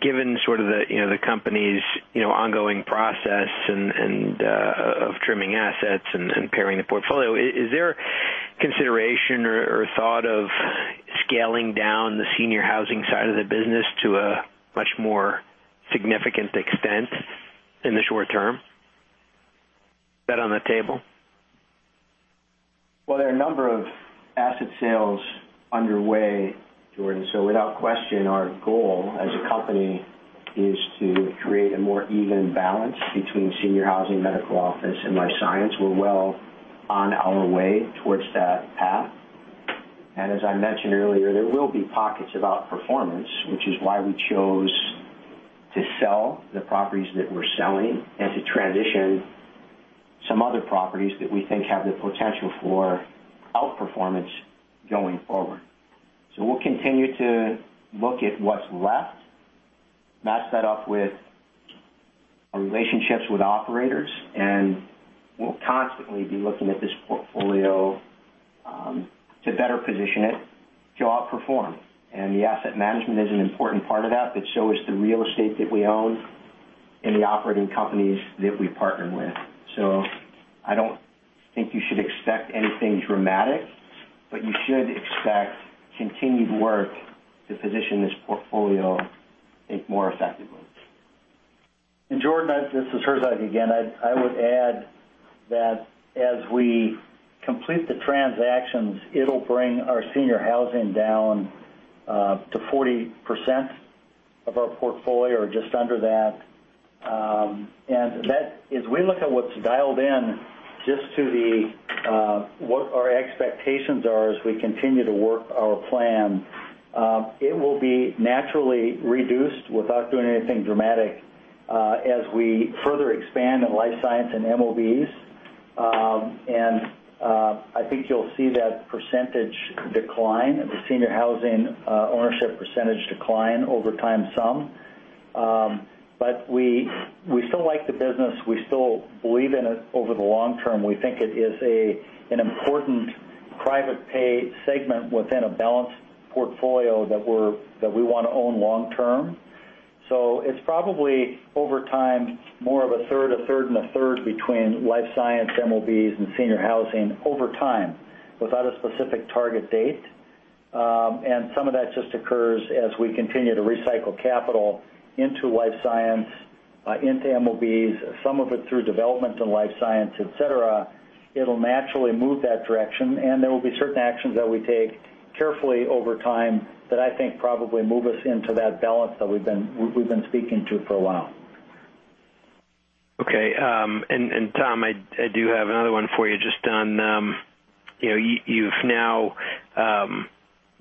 Given sort of the company's ongoing process of trimming assets and paring the portfolio, is there consideration or thought of scaling down the senior housing side of the business to a much more significant extent in the short term? Is that on the table? Well, there are a number of asset sales underway, Jordan. Without question, our goal as a company is to create a more even balance between senior housing, medical office, and life science. We're well on our way towards that path. As I mentioned earlier, there will be pockets of outperformance, which is why we chose to sell the properties that we're selling and to transition some other properties that we think have the potential for outperformance going forward. We'll continue to look at what's left, match that up with our relationships with operators, and we'll constantly be looking at this portfolio to better position it to outperform. The asset management is an important part of that. That shows the real estate that we own and the operating companies that we partner with. I don't think you should expect anything dramatic, but you should expect continued work to position this portfolio, I think, more effectively. Jordan, this is Herzog again. I would add that as we complete the transactions, it'll bring our senior housing down to 40% of our portfolio or just under that. As we look at what's dialed in, just to what our expectations are as we continue to work our plan, it will be naturally reduced without doing anything dramatic as we further expand in life science and MOBs. I think you'll see that percentage decline, the senior housing ownership percentage decline over time some. We still like the business. We still believe in it over the long term. We think it is an important private pay segment within a balanced portfolio that we want to own long term. It's probably, over time, more of a third, a third, and a third between life science, MOBs, and senior housing over time, without a specific target date. Some of that just occurs as we continue to recycle capital into life science, into MOBs, some of it through development in life science, et cetera. It'll naturally move that direction, and there will be certain actions that we take carefully over time that I think probably move us into that balance that we've been speaking to for a while. Okay. Tom, I do have another one for you just on, you've now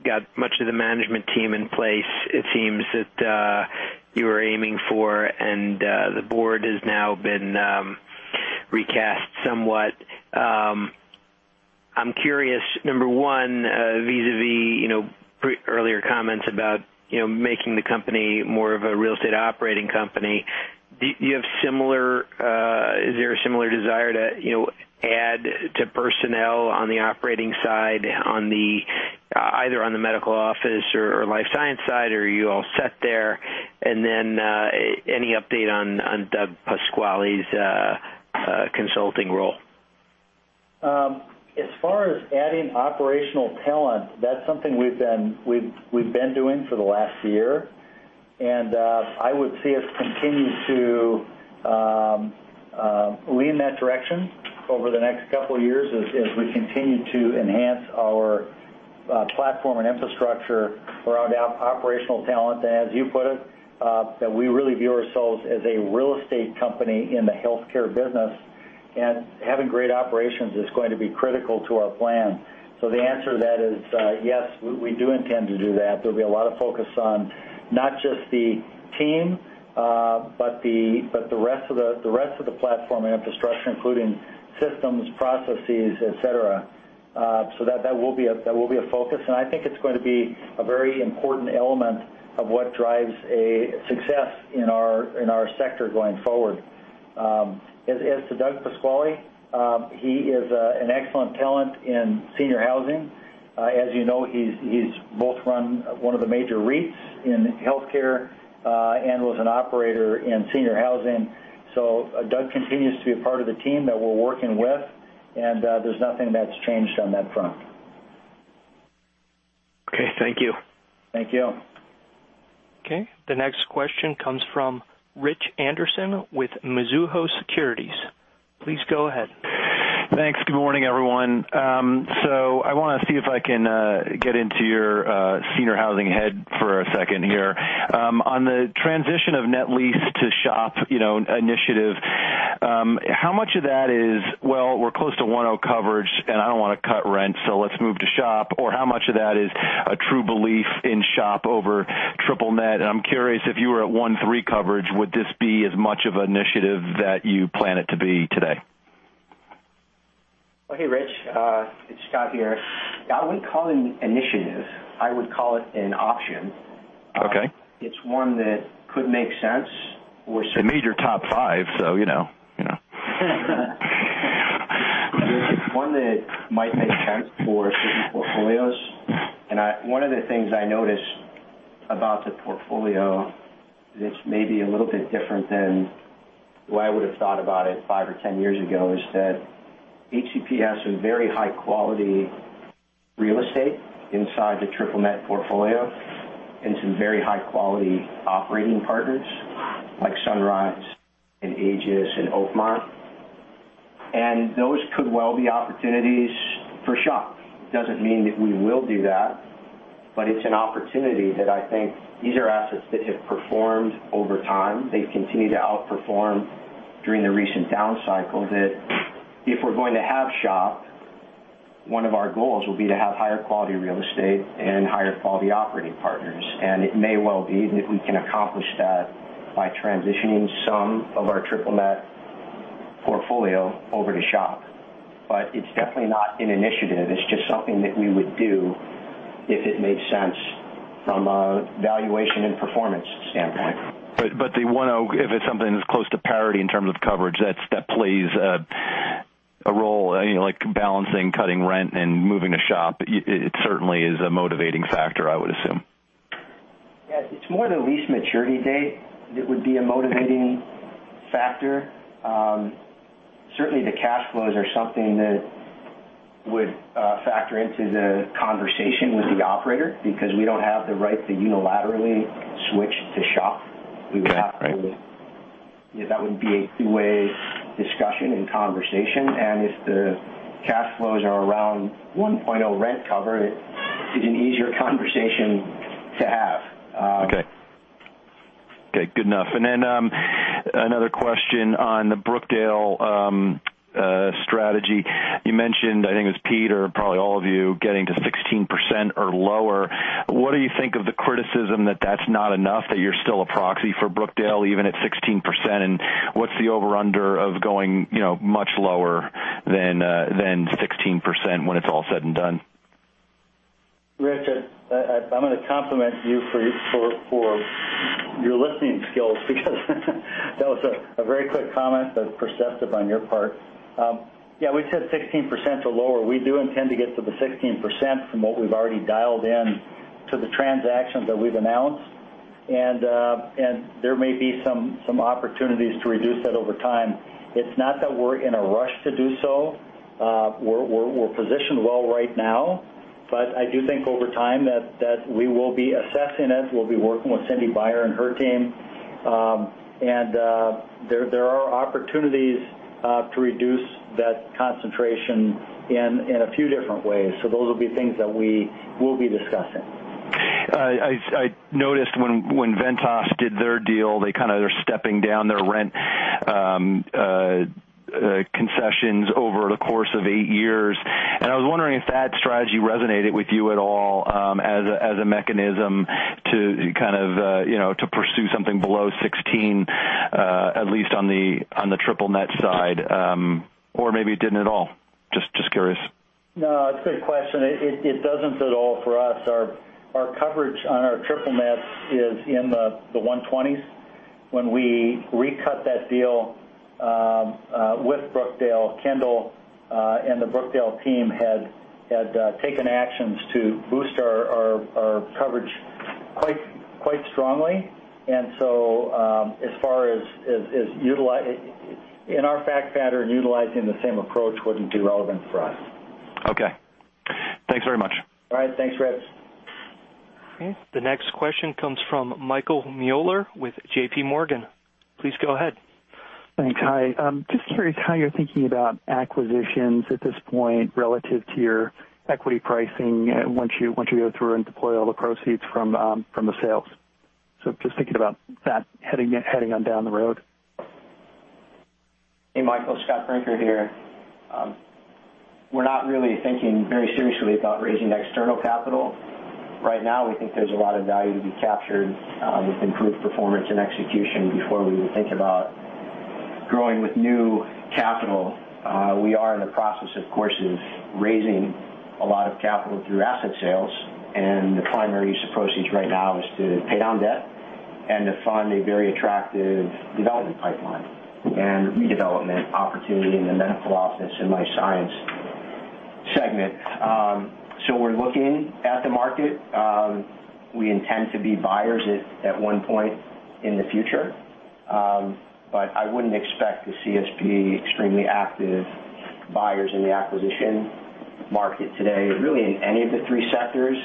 got much of the management team in place it seems that you were aiming for, and the board has now been recast somewhat. I'm curious, number one, vis-a-vis earlier comments about making the company more of a real estate operating company. Is there a similar desire to add to personnel on the operating side, either on the medical office or life science side, or are you all set there? Any update on Doug Pasquale's consulting role? As far as adding operational talent, that's something we've been doing for the last year. I would see us continue to lean in that direction over the next couple of years as we continue to enhance our platform and infrastructure around operational talent, as you put it, that we really view ourselves as a real estate company in the healthcare business, and having great operations is going to be critical to our plan. The answer to that is yes, we do intend to do that. There'll be a lot of focus on not just the team, but the rest of the platform and infrastructure, including systems, processes, et cetera. That will be a focus, and I think it's going to be a very important element of what drives success in our sector going forward. As to Doug Pasquale, he is an excellent talent in senior housing. As you know, he's both run one of the major REITs in healthcare, and was an operator in senior housing. Doug continues to be a part of the team that we're working with, and there's nothing that's changed on that front. Okay. Thank you. Thank you. Okay, the next question comes from Rich Anderson with Mizuho Securities. Please go ahead. Thanks. Good morning, everyone. I want to see if I can get into your senior housing head for a second here. On the transition of net lease to SHOP initiative, how much of that is, well, we're close to 1.0 coverage, and I don't want to cut rent, let's move to SHOP, or how much of that is a true belief in SHOP over triple-net? I'm curious if you were at 1.3 coverage, would this be as much of an initiative that you plan it to be today? Hey, Rich. It's Scott here. I wouldn't call it an initiative. I would call it an option. Okay. It's one that could make sense with. It made your top five, you know. It's one that might make sense for certain portfolios. One of the things I noticed about the portfolio that's maybe a little bit different than the way I would've thought about it five or 10 years ago is that HCP has some very high-quality real estate inside the triple-net portfolio and some very high-quality operating partners like Sunrise and Aegis and Oakmont. Those could well be opportunities for SHOP. Doesn't mean that we will do that, but it's an opportunity that I think these are assets that have performed over time. They've continued to outperform during the recent down cycle, that if we're going to have SHOP, one of our goals will be to have higher quality real estate and higher quality operating partners. It may well be that we can accomplish that by transitioning some of our triple-net portfolio over to SHOP. It's definitely not an initiative. It's just something that we would do if it made sense from a valuation and performance standpoint. The 1.0, if it's something that's close to parity in terms of coverage, that plays a role, like balancing cutting rent and moving to SHOP. It certainly is a motivating factor, I would assume. Yeah, it's more the lease maturity date that would be a motivating factor. Certainly, the cash flows are something that Would factor into the conversation with the operator because we don't have the right to unilaterally switch to SHOP. Okay, right. That would be a two-way discussion and conversation, if the cash flows are around 1.0 rent cover, it is an easier conversation to have. Okay. Good enough. Then another question on the Brookdale strategy. You mentioned, I think it was Peter, probably all of you, getting to 16% or lower. What do you think of the criticism that that's not enough, that you're still a proxy for Brookdale even at 16%? What's the over-under of going much lower than 16% when it's all said and done? Richard, I'm going to compliment you for your listening skills, because that was a very quick comment, but perceptive on your part. Yeah, we said 16% or lower. We do intend to get to the 16% from what we've already dialed in to the transactions that we've announced. There may be some opportunities to reduce that over time. It's not that we're in a rush to do so. We're positioned well right now. I do think over time that we will be assessing it. We'll be working with Cindy Baier and her team. There are opportunities to reduce that concentration in a few different ways. Those will be things that we will be discussing. I noticed when Ventas did their deal, they're stepping down their rent concessions over the course of eight years. I was wondering if that strategy resonated with you at all as a mechanism to pursue something below 16, at least on the triple-net side, or maybe it didn't at all. Just curious. No, it's a good question. It doesn't at all for us. Our coverage on our triple-net is in the 120s. When we recut that deal with Brookdale, Kendall and the Brookdale team had taken actions to boost our coverage quite strongly. In our fact pattern, utilizing the same approach wouldn't be relevant for us. Okay. Thanks very much. All right. Thanks, Rich. Okay. The next question comes from Michael Mueller with J.P. Morgan. Please go ahead. Thanks. Hi. Just curious how you're thinking about acquisitions at this point relative to your equity pricing once you go through and deploy all the proceeds from the sales. Just thinking about that heading on down the road. Hey, Michael. Scott Brinker here. We're not really thinking very seriously about raising external capital. Right now, we think there's a lot of value to be captured with improved performance and execution before we would think about growing with new capital. We are in the process, of course, of raising a lot of capital through asset sales. The primary use of proceeds right now is to pay down debt and to fund a very attractive development pipeline and redevelopment opportunity in the medical office and life science segment. We're looking at the market. We intend to be buyers at one point in the future. I wouldn't expect to see us be extremely active buyers in the acquisition market today, really in any of the three sectors.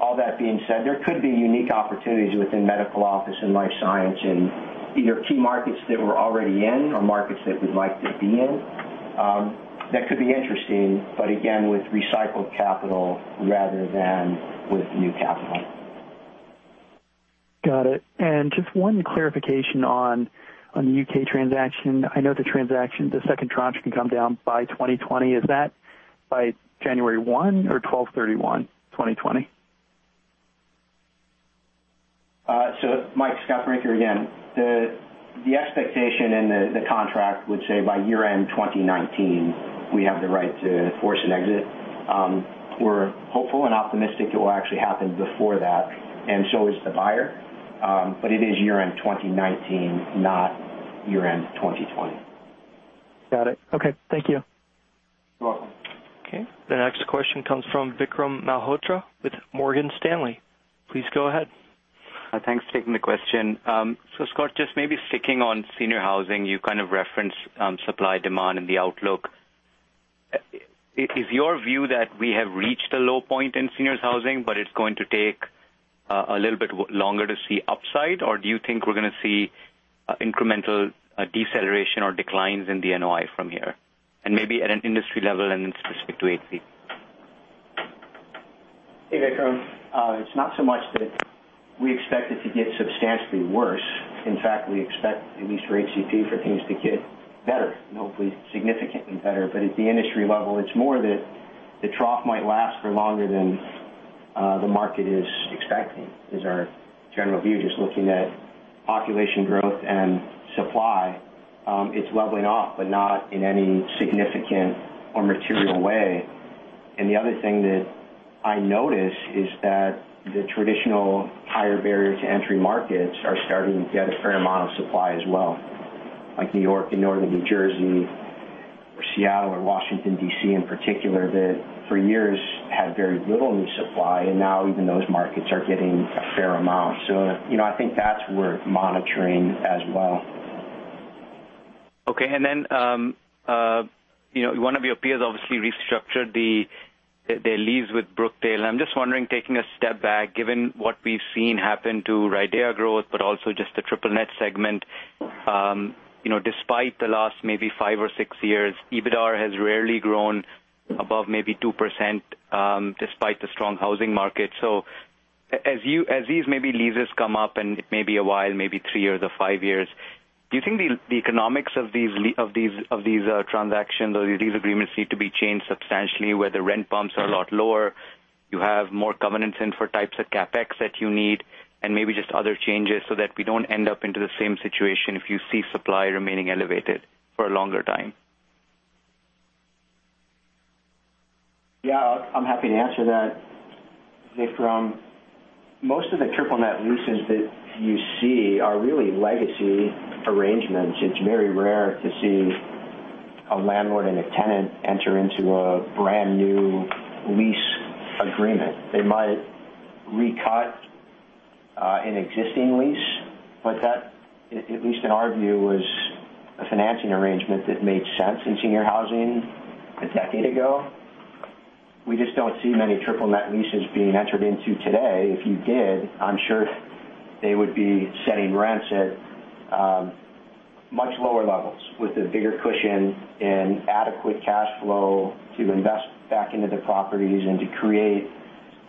All that being said, there could be unique opportunities within medical office and life science in either key markets that we're already in or markets that we'd like to be in. That could be interesting, but again, with recycled capital rather than with new capital. Just one clarification on the U.K. transaction. I know the transaction, the second tranche can come down by 2020. Is that by January 1 or 12/31/2020? Mike, Scott Brinker again. The expectation in the contract would say by year-end 2019, we have the right to force an exit. We're hopeful and optimistic it will actually happen before that, and so is the buyer. It is year-end 2019, not year-end 2020. Got it. Okay. Thank you. You're welcome. Okay, the next question comes from Vikram Malhotra with Morgan Stanley. Please go ahead. Thanks for taking the question. Scott, just maybe sticking on senior housing, you kind of referenced supply-demand in the outlook. Is your view that we have reached a low point in seniors housing, but it's going to take a little bit longer to see upside? Or do you think we're going to see incremental deceleration or declines in the NOI from here? Maybe at an industry level and then specific to HCP? Hey, Vikram. It's not so much that we expect it to get substantially worse. In fact, we expect, at least for HCP, for things to get better, and hopefully significantly better. At the industry level, it's more that the trough might last for longer than the market is expecting, is our general view. Just looking at population growth and supply, it's leveling off, but not in any significant or material way. The other thing that I notice is that the traditional higher barrier-to-entry markets are starting to get a fair amount of supply as well, like New York and Northern New Jersey or Seattle or Washington, D.C. in particular, that for years had very little new supply, and now even those markets are getting a fair amount. I think that's worth monitoring as well. Okay. One of your peers obviously restructured their lease with Brookdale. I'm just wondering, taking a step back, given what we've seen happen to RIDEA growth, but also just the triple-net segment. Despite the last maybe five or six years, EBITDA has rarely grown above maybe 2% despite the strong housing market. As these leases come up and it may be a while, maybe three years or five years, do you think the economics of these transactions or these agreements need to be changed substantially, where the rent bumps are a lot lower, you have more covenants in for types of CapEx that you need, and maybe just other changes so that we don't end up into the same situation if you see supply remaining elevated for a longer time? Yeah, I'm happy to answer that, Vikram. Most of the triple-net leases that you see are really legacy arrangements. It's very rare to see a landlord and a tenant enter into a brand-new lease agreement. They might recut an existing lease, but that, at least in our view, was a financing arrangement that made sense in senior housing a decade ago. We just don't see many triple-net leases being entered into today. If you did, I'm sure they would be setting rents at much lower levels with a bigger cushion and adequate cash flow to invest back into the properties and to create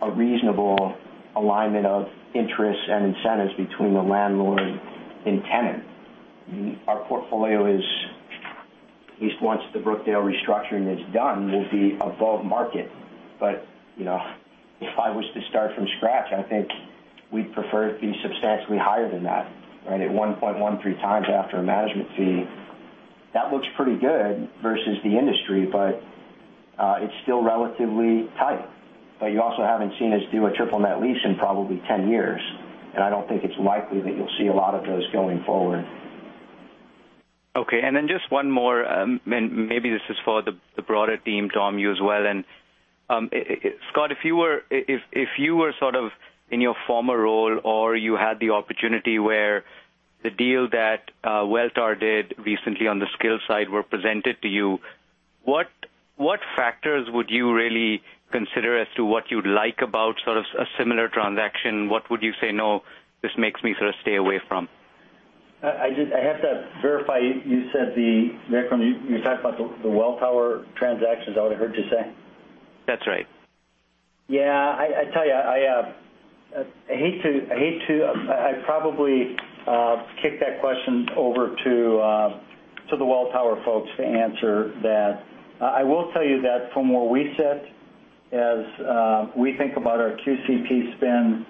a reasonable alignment of interests and incentives between the landlord and tenant. Our portfolio is, at least once the Brookdale restructuring is done, will be above market. If I was to start from scratch, I think we'd prefer it be substantially higher than that. Right at 1.13x after a management fee, that looks pretty good versus the industry, it's still relatively tight. You also haven't seen us do a triple-net lease in probably 10 years, and I don't think it's likely that you'll see a lot of those going forward. Okay, just one more, maybe this is for the broader team, Tom, you as well. Scott, if you were sort of in your former role or you had the opportunity where the deal that Welltower did recently on the skill side were presented to you, what factors would you really consider as to what you'd like about sort of a similar transaction? What would you say, no, this makes me sort of stay away from? I have to verify. Vikram, you're talking about the Welltower transactions, is that what I heard you say? That's right. Yeah. I tell you, I probably kick that question over to the Welltower folks to answer that. I will tell you that from where we sit, as we think about our QCP spin,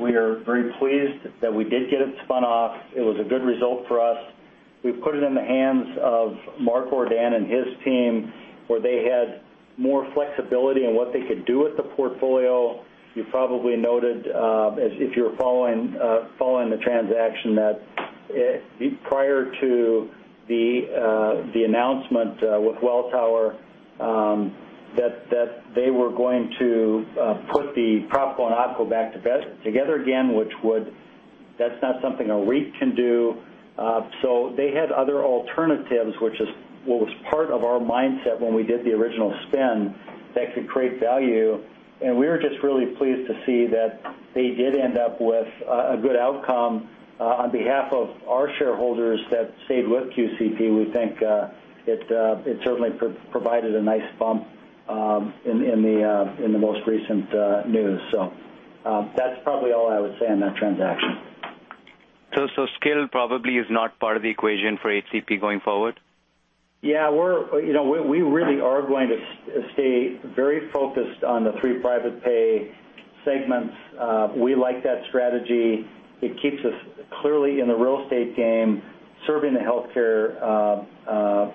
we are very pleased that we did get it spun off. It was a good result for us. We've put it in the hands of Mark Ordan and his team, where they had more flexibility in what they could do with the portfolio. You probably noted, if you're following the transaction, that prior to the announcement with Welltower, that they were going to put the propco and opco back together again, that's not something a REIT can do. They had other alternatives, which was part of our mindset when we did the original spin that could create value, and we were just really pleased to see that they did end up with a good outcome on behalf of our shareholders that stayed with QCP. We think it certainly provided a nice bump in the most recent news. That's probably all I would say on that transaction. Skill probably is not part of the equation for HCP going forward? Yeah. We really are going to stay very focused on the three private pay segments. We like that strategy. It keeps us clearly in the real estate game, serving the healthcare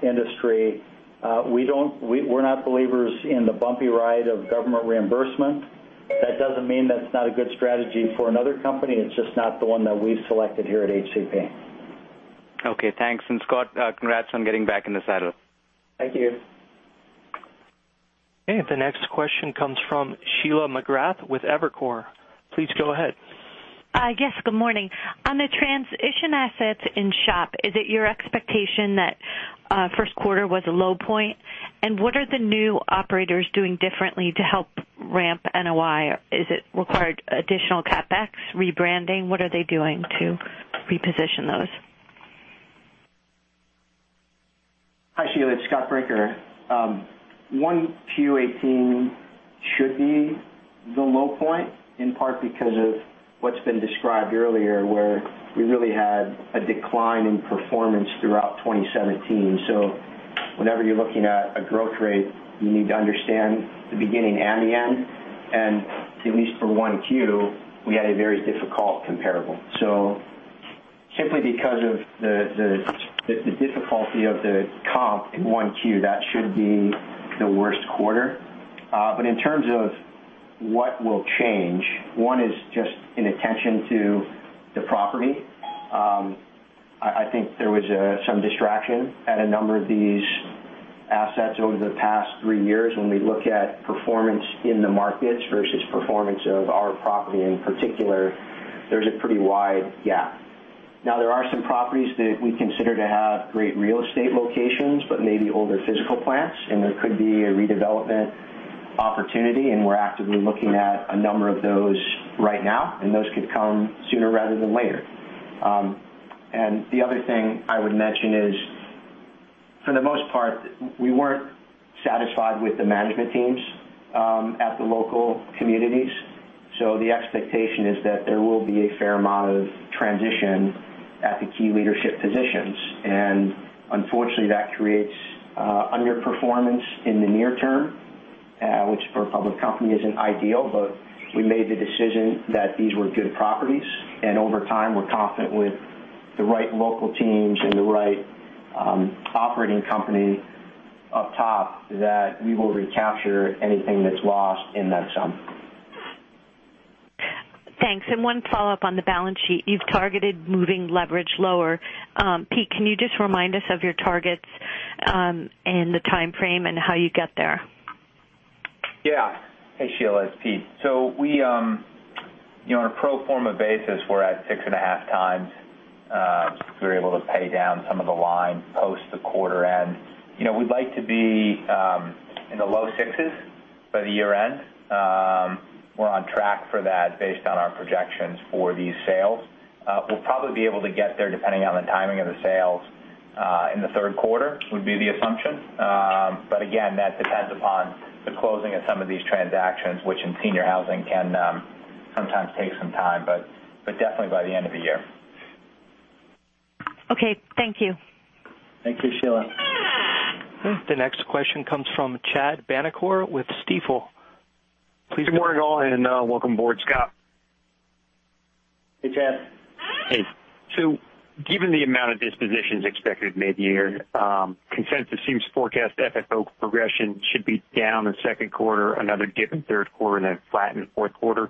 industry. We're not believers in the bumpy ride of government reimbursement. That doesn't mean that's not a good strategy for another company. It's just not the one that we've selected here at HCP. Okay, thanks. Scott, congrats on getting back in the saddle. Thank you. The next question comes from Sheila McGrath with Evercore. Please go ahead. Yes, good morning. On the transition assets in SHOP, is it your expectation that first quarter was a low point? What are the new operators doing differently to help ramp NOI? Is it required additional CapEx, rebranding? What are they doing to reposition those? Hi, Sheila. It's Scott Brinker. 1Q18 should be the low point, in part because of what's been described earlier, where we really had a decline in performance throughout 2017. Whenever you're looking at a growth rate, you need to understand the beginning and the end. At least for 1Q, we had a very difficult comparable. Simply because of the difficulty of the comp in 1Q, that should be the worst quarter. In terms of what will change, one is just an attention to the property. I think there was some distraction at a number of these assets over the past three years, when we look at performance in the markets versus performance of our property in particular, there's a pretty wide gap. There are some properties that we consider to have great real estate locations, but maybe older physical plants, there could be a redevelopment opportunity, we're actively looking at a number of those right now, those could come sooner rather than later. The other thing I would mention is, for the most part, we weren't satisfied with the management teams at the local communities. The expectation is that there will be a fair amount of transition at the key leadership positions. Unfortunately, that creates underperformance in the near term, which for a public company isn't ideal, but we made the decision that these were good properties and over time, we're confident with the right local teams and the right operating company up top that we will recapture anything that's lost and the some. Thanks. One follow-up on the balance sheet. You've targeted moving leverage lower. Pete, can you just remind us of your targets and the timeframe and how you get there? Hey, Sheila, it's Pete. On a pro forma basis, we're at 6.5 times. We were able to pay down some of the line post the quarter end. We'd like to be in the low 6s by year-end. We're on track for that based on our projections for these sales. We'll probably be able to get there depending on the timing of the sales in the third quarter, would be the assumption. Again, that depends upon the closing of some of these transactions, which in senior housing can sometimes take some time, but definitely by the end of the year. Okay. Thank you. Thank you, Sheila. The next question comes from Chad Vanacore with Stifel. Please go- Good morning, all, and welcome aboard, Scott. Hey, Chad. Hey. Given the amount of dispositions expected mid-year, consensus seems to forecast FFO progression should be down in second quarter, another dip in third quarter, and then flatten in fourth quarter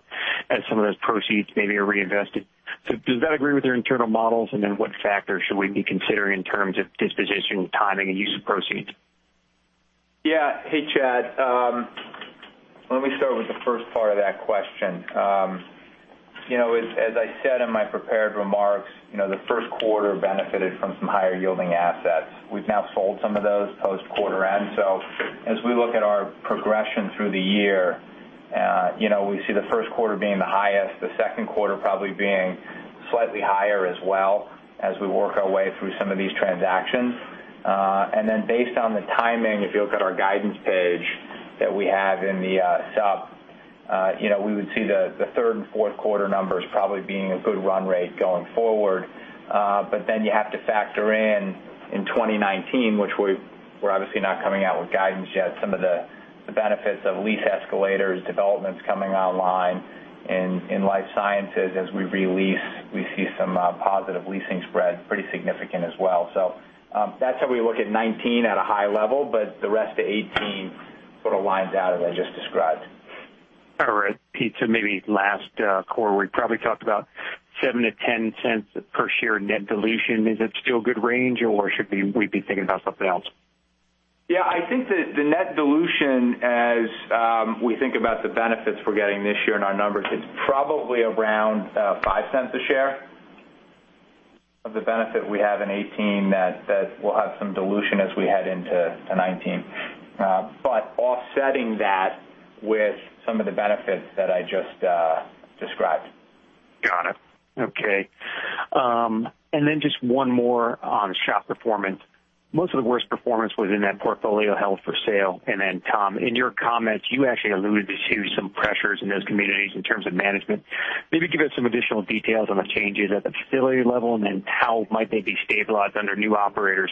as some of those proceeds maybe are reinvested. Does that agree with your internal models? What factors should we be considering in terms of disposition, timing, and use of proceeds? Yeah. Hey, Chad. Let me start with the first part of that question. As I said in my prepared remarks, the first quarter benefited from some higher-yielding assets. We've now sold some of those post quarter end. As we look at our progression through the year, we see the first quarter being the highest, the second quarter probably being slightly higher as well as we work our way through some of these transactions. Based on the timing, if you look at our guidance page that we have in the sup, we would see the third and fourth quarter numbers probably being a good run rate going forward. You have to factor in 2019, which we're obviously not coming out with guidance yet. Some of the benefits of lease escalators, developments coming online in life sciences as we re-lease, we see some positive leasing spread, pretty significant as well. That's how we look at 2019 at a high level, but the rest of 2018 sort of lines out as I just described. All right. Pete, maybe last quarter, we probably talked about $0.07-$0.10 per share net dilution. Is it still a good range, or should we be thinking about something else? I think that the net dilution, as we think about the benefits we're getting this year in our numbers, is probably around $0.05 a share of the benefit we have in 2018 that will have some dilution as we head into 2019. Offsetting that with some of the benefits that I just described. Got it. Okay. Just one more on SHOP performance. Most of the worst performance was in that portfolio held for sale. Then, Tom, in your comments, you actually alluded to some pressures in those communities in terms of management. Maybe give us some additional details on the changes at the facility level, then how might they be stabilized under new operators?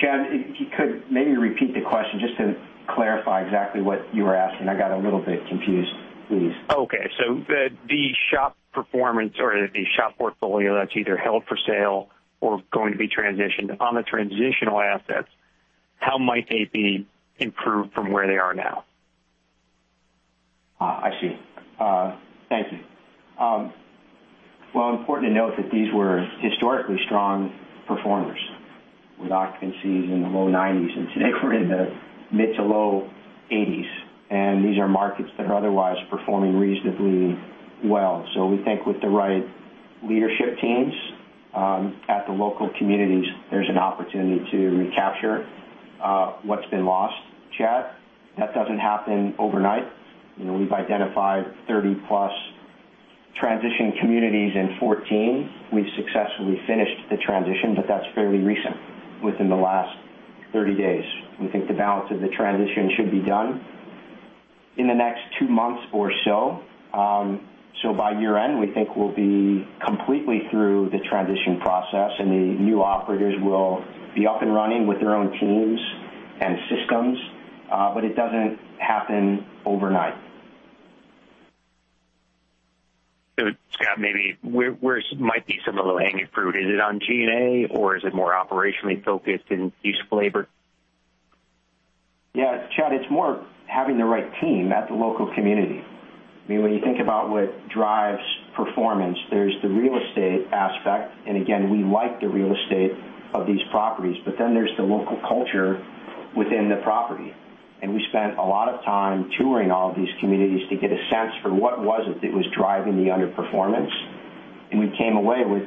Chad, if you could maybe repeat the question just to clarify exactly what you were asking. I got a little bit confused. Please. Okay. The SHOP performance or the SHOP portfolio that's either held for sale or going to be transitioned. On the transitional assets, how might they be improved from where they are now? I see. Thank you. Important to note that these were historically strong performers with occupancies in the low 90s, and today we're in the mid to low 80s. These are markets that are otherwise performing reasonably well. We think with the right leadership teams at the local communities, there's an opportunity to recapture what's been lost, Chad. That doesn't happen overnight. We've identified 30-plus transition communities in 2014. We've successfully finished the transition, but that's fairly recent, within the last 30 days. We think the balance of the transition should be done in the next two months or so. By year-end, we think we'll be completely through the transition process, and the new operators will be up and running with their own teams and systems. It doesn't happen overnight. Scott, maybe where might be some of the low-hanging fruit? Is it on G&A, or is it more operationally focused in use of labor? Chad, it's more having the right team at the local community. When you think about what drives performance, there's the real estate aspect. Again, we like the real estate of these properties. There's the local culture within the property. We spent a lot of time touring all of these communities to get a sense for what was it that was driving the underperformance. We came away with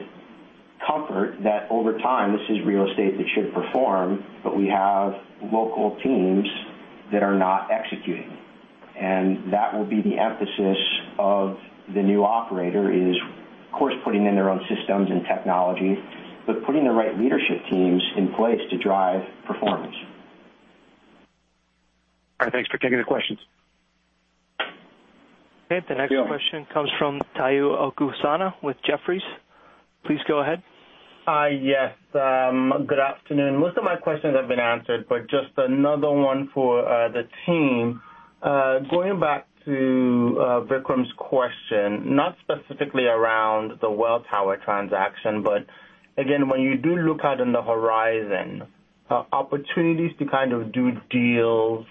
comfort that over time, this is real estate that should perform. We have local teams that are not executing. That will be the emphasis of the new operator is, of course, putting in their own systems and technology, putting the right leadership teams in place to drive performance. All right. Thanks for taking the questions. Okay. The next question comes from Tayo Okusanya with Jefferies. Please go ahead. Hi. Yes. Good afternoon. Most of my questions have been answered, but just another one for the team. Going back to Vikram's question, not specifically around the Welltower transaction, but again, when you do look out in the horizon, opportunities to do deals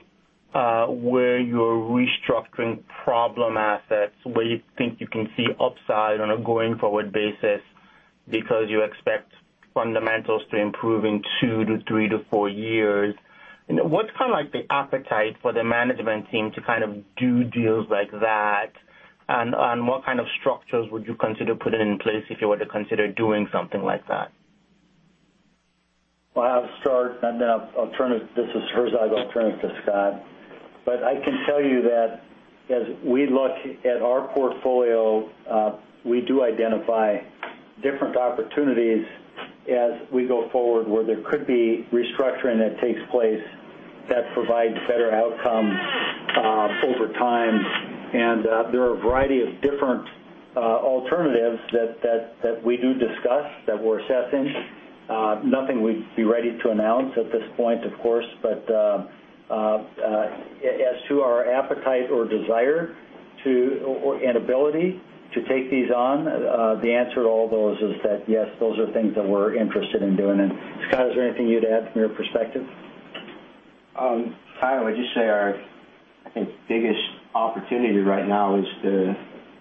where you're restructuring problem assets, where you think you can see upside on a going-forward basis because you expect fundamentals to improve in two to three to four years, what's the appetite for the management team to do deals like that? What kind of structures would you consider putting in place if you were to consider doing something like that? I'll start, and then This is Herzog. I'll turn it to Scott. I can tell you that as we look at our portfolio, we do identify different opportunities as we go forward, where there could be restructuring that takes place that provides better outcome over time. There are a variety of different alternatives that we do discuss, that we're assessing. Nothing we'd be ready to announce at this point, of course. As to our appetite or desire to, or, and ability to take these on, the answer to all those is that, yes, those are things that we're interested in doing. Scott, is there anything you'd add from your perspective? Tayo, I'd just say our, I think, biggest opportunity right now is the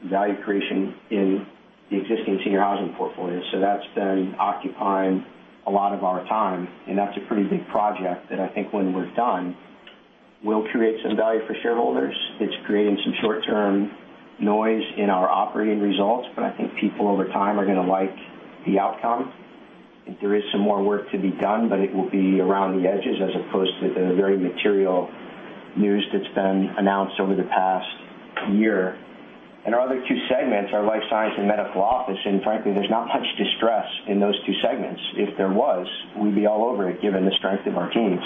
value creation in the existing senior housing portfolio. That's been occupying a lot of our time, and that's a pretty big project that I think when we're done, will create some value for shareholders. It's creating some short-term noise in our operating results, but I think people over time are going to like the outcome. I think there is some more work to be done, but it will be around the edges as opposed to the very material news that's been announced over the past year. Our other two segments are life science and medical office, and frankly, there's not much distress in those two segments. If there was, we'd be all over it, given the strength of our teams.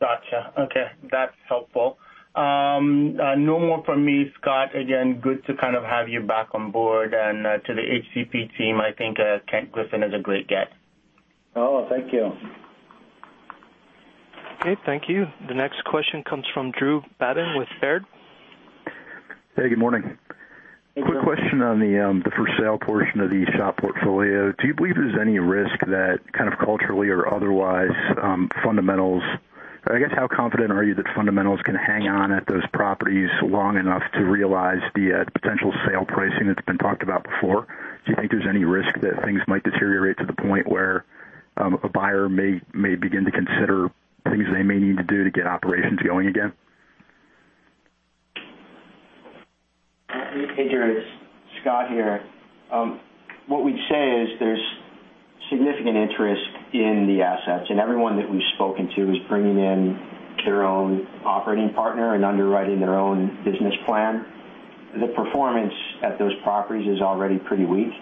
Got you. Okay. That's helpful. No more from me. Scott, again, good to have you back on board. To the HCP team, I think Kent Griffin is a great get. Oh, thank you. Okay. Thank you. The next question comes from Drew Babin with Baird. Hey, good morning. Hey, Drew. Quick question on the for-sale portion of the SHOP portfolio. Do you believe there's any risk that kind of culturally or otherwise, I guess, how confident are you that fundamentals can hang on at those properties long enough to realize the potential sale pricing that's been talked about before? Do you think there's any risk that things might deteriorate to the point where a buyer may begin to consider things they may need to do to get operations going again? Hey, Drew. It's Scott here. What we'd say is there's significant interest in the assets, everyone that we've spoken to is bringing in their own operating partner and underwriting their own business plan. The performance at those properties is already pretty weak,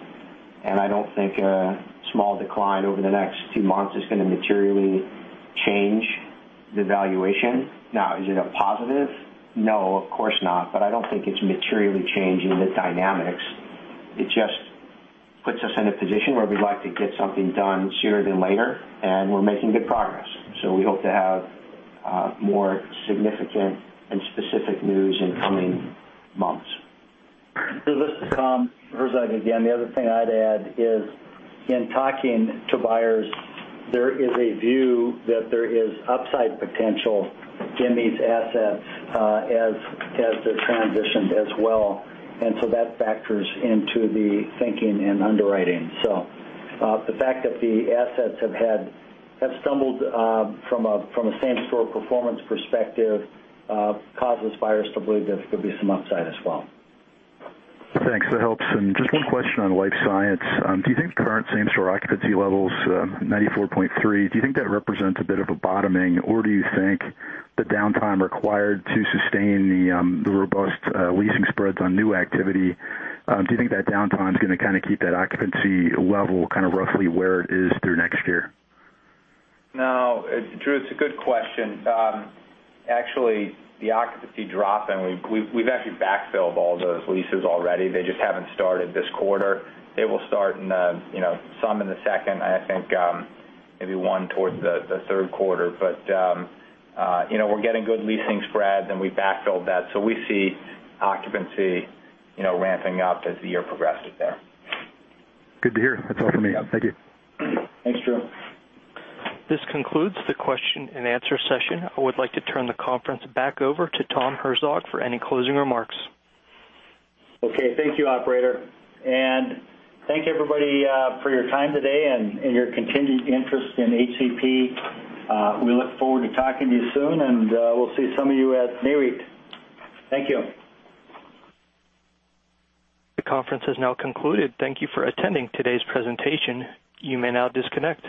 I don't think a small decline over the next two months is going to materially change the valuation. Is it a positive? No, of course not. I don't think it's materially changing the dynamics. It just puts us in a position where we'd like to get something done sooner than later, we're making good progress. We hope to have more significant and specific news in coming months. This is Tom Herzog again. The other thing I'd add is, in talking to buyers, there is a view that there is upside potential in these assets as they're transitioned as well, that factors into the thinking and underwriting. The fact that the assets have stumbled from a same-store performance perspective causes buyers to believe there could be some upside as well. Thanks. That helps. Just one question on life science. Do you think current same-store occupancy levels, 94.3, do you think that represents a bit of a bottoming, or do you think the downtime required to sustain the robust leasing spreads on new activity, do you think that downtime's going to kind of keep that occupancy level kind of roughly where it is through next year? No. Drew, it's a good question. Actually, the occupancy drop, we've actually backfilled all those leases already. They just haven't started this quarter. They will start some in the second, I think maybe one towards the third quarter. We're getting good leasing spreads, and we backfilled that. We see occupancy ramping up as the year progresses there. Good to hear. That's all for me. Thank you. Thanks, Drew. This concludes the question and answer session. I would like to turn the conference back over to Tom Herzog for any closing remarks. Okay. Thank you, operator. Thank you, everybody, for your time today and your continued interest in HCP. We look forward to talking to you soon, and we'll see some of you at NAREIT. Thank you. The conference has now concluded. Thank you for attending today's presentation. You may now disconnect.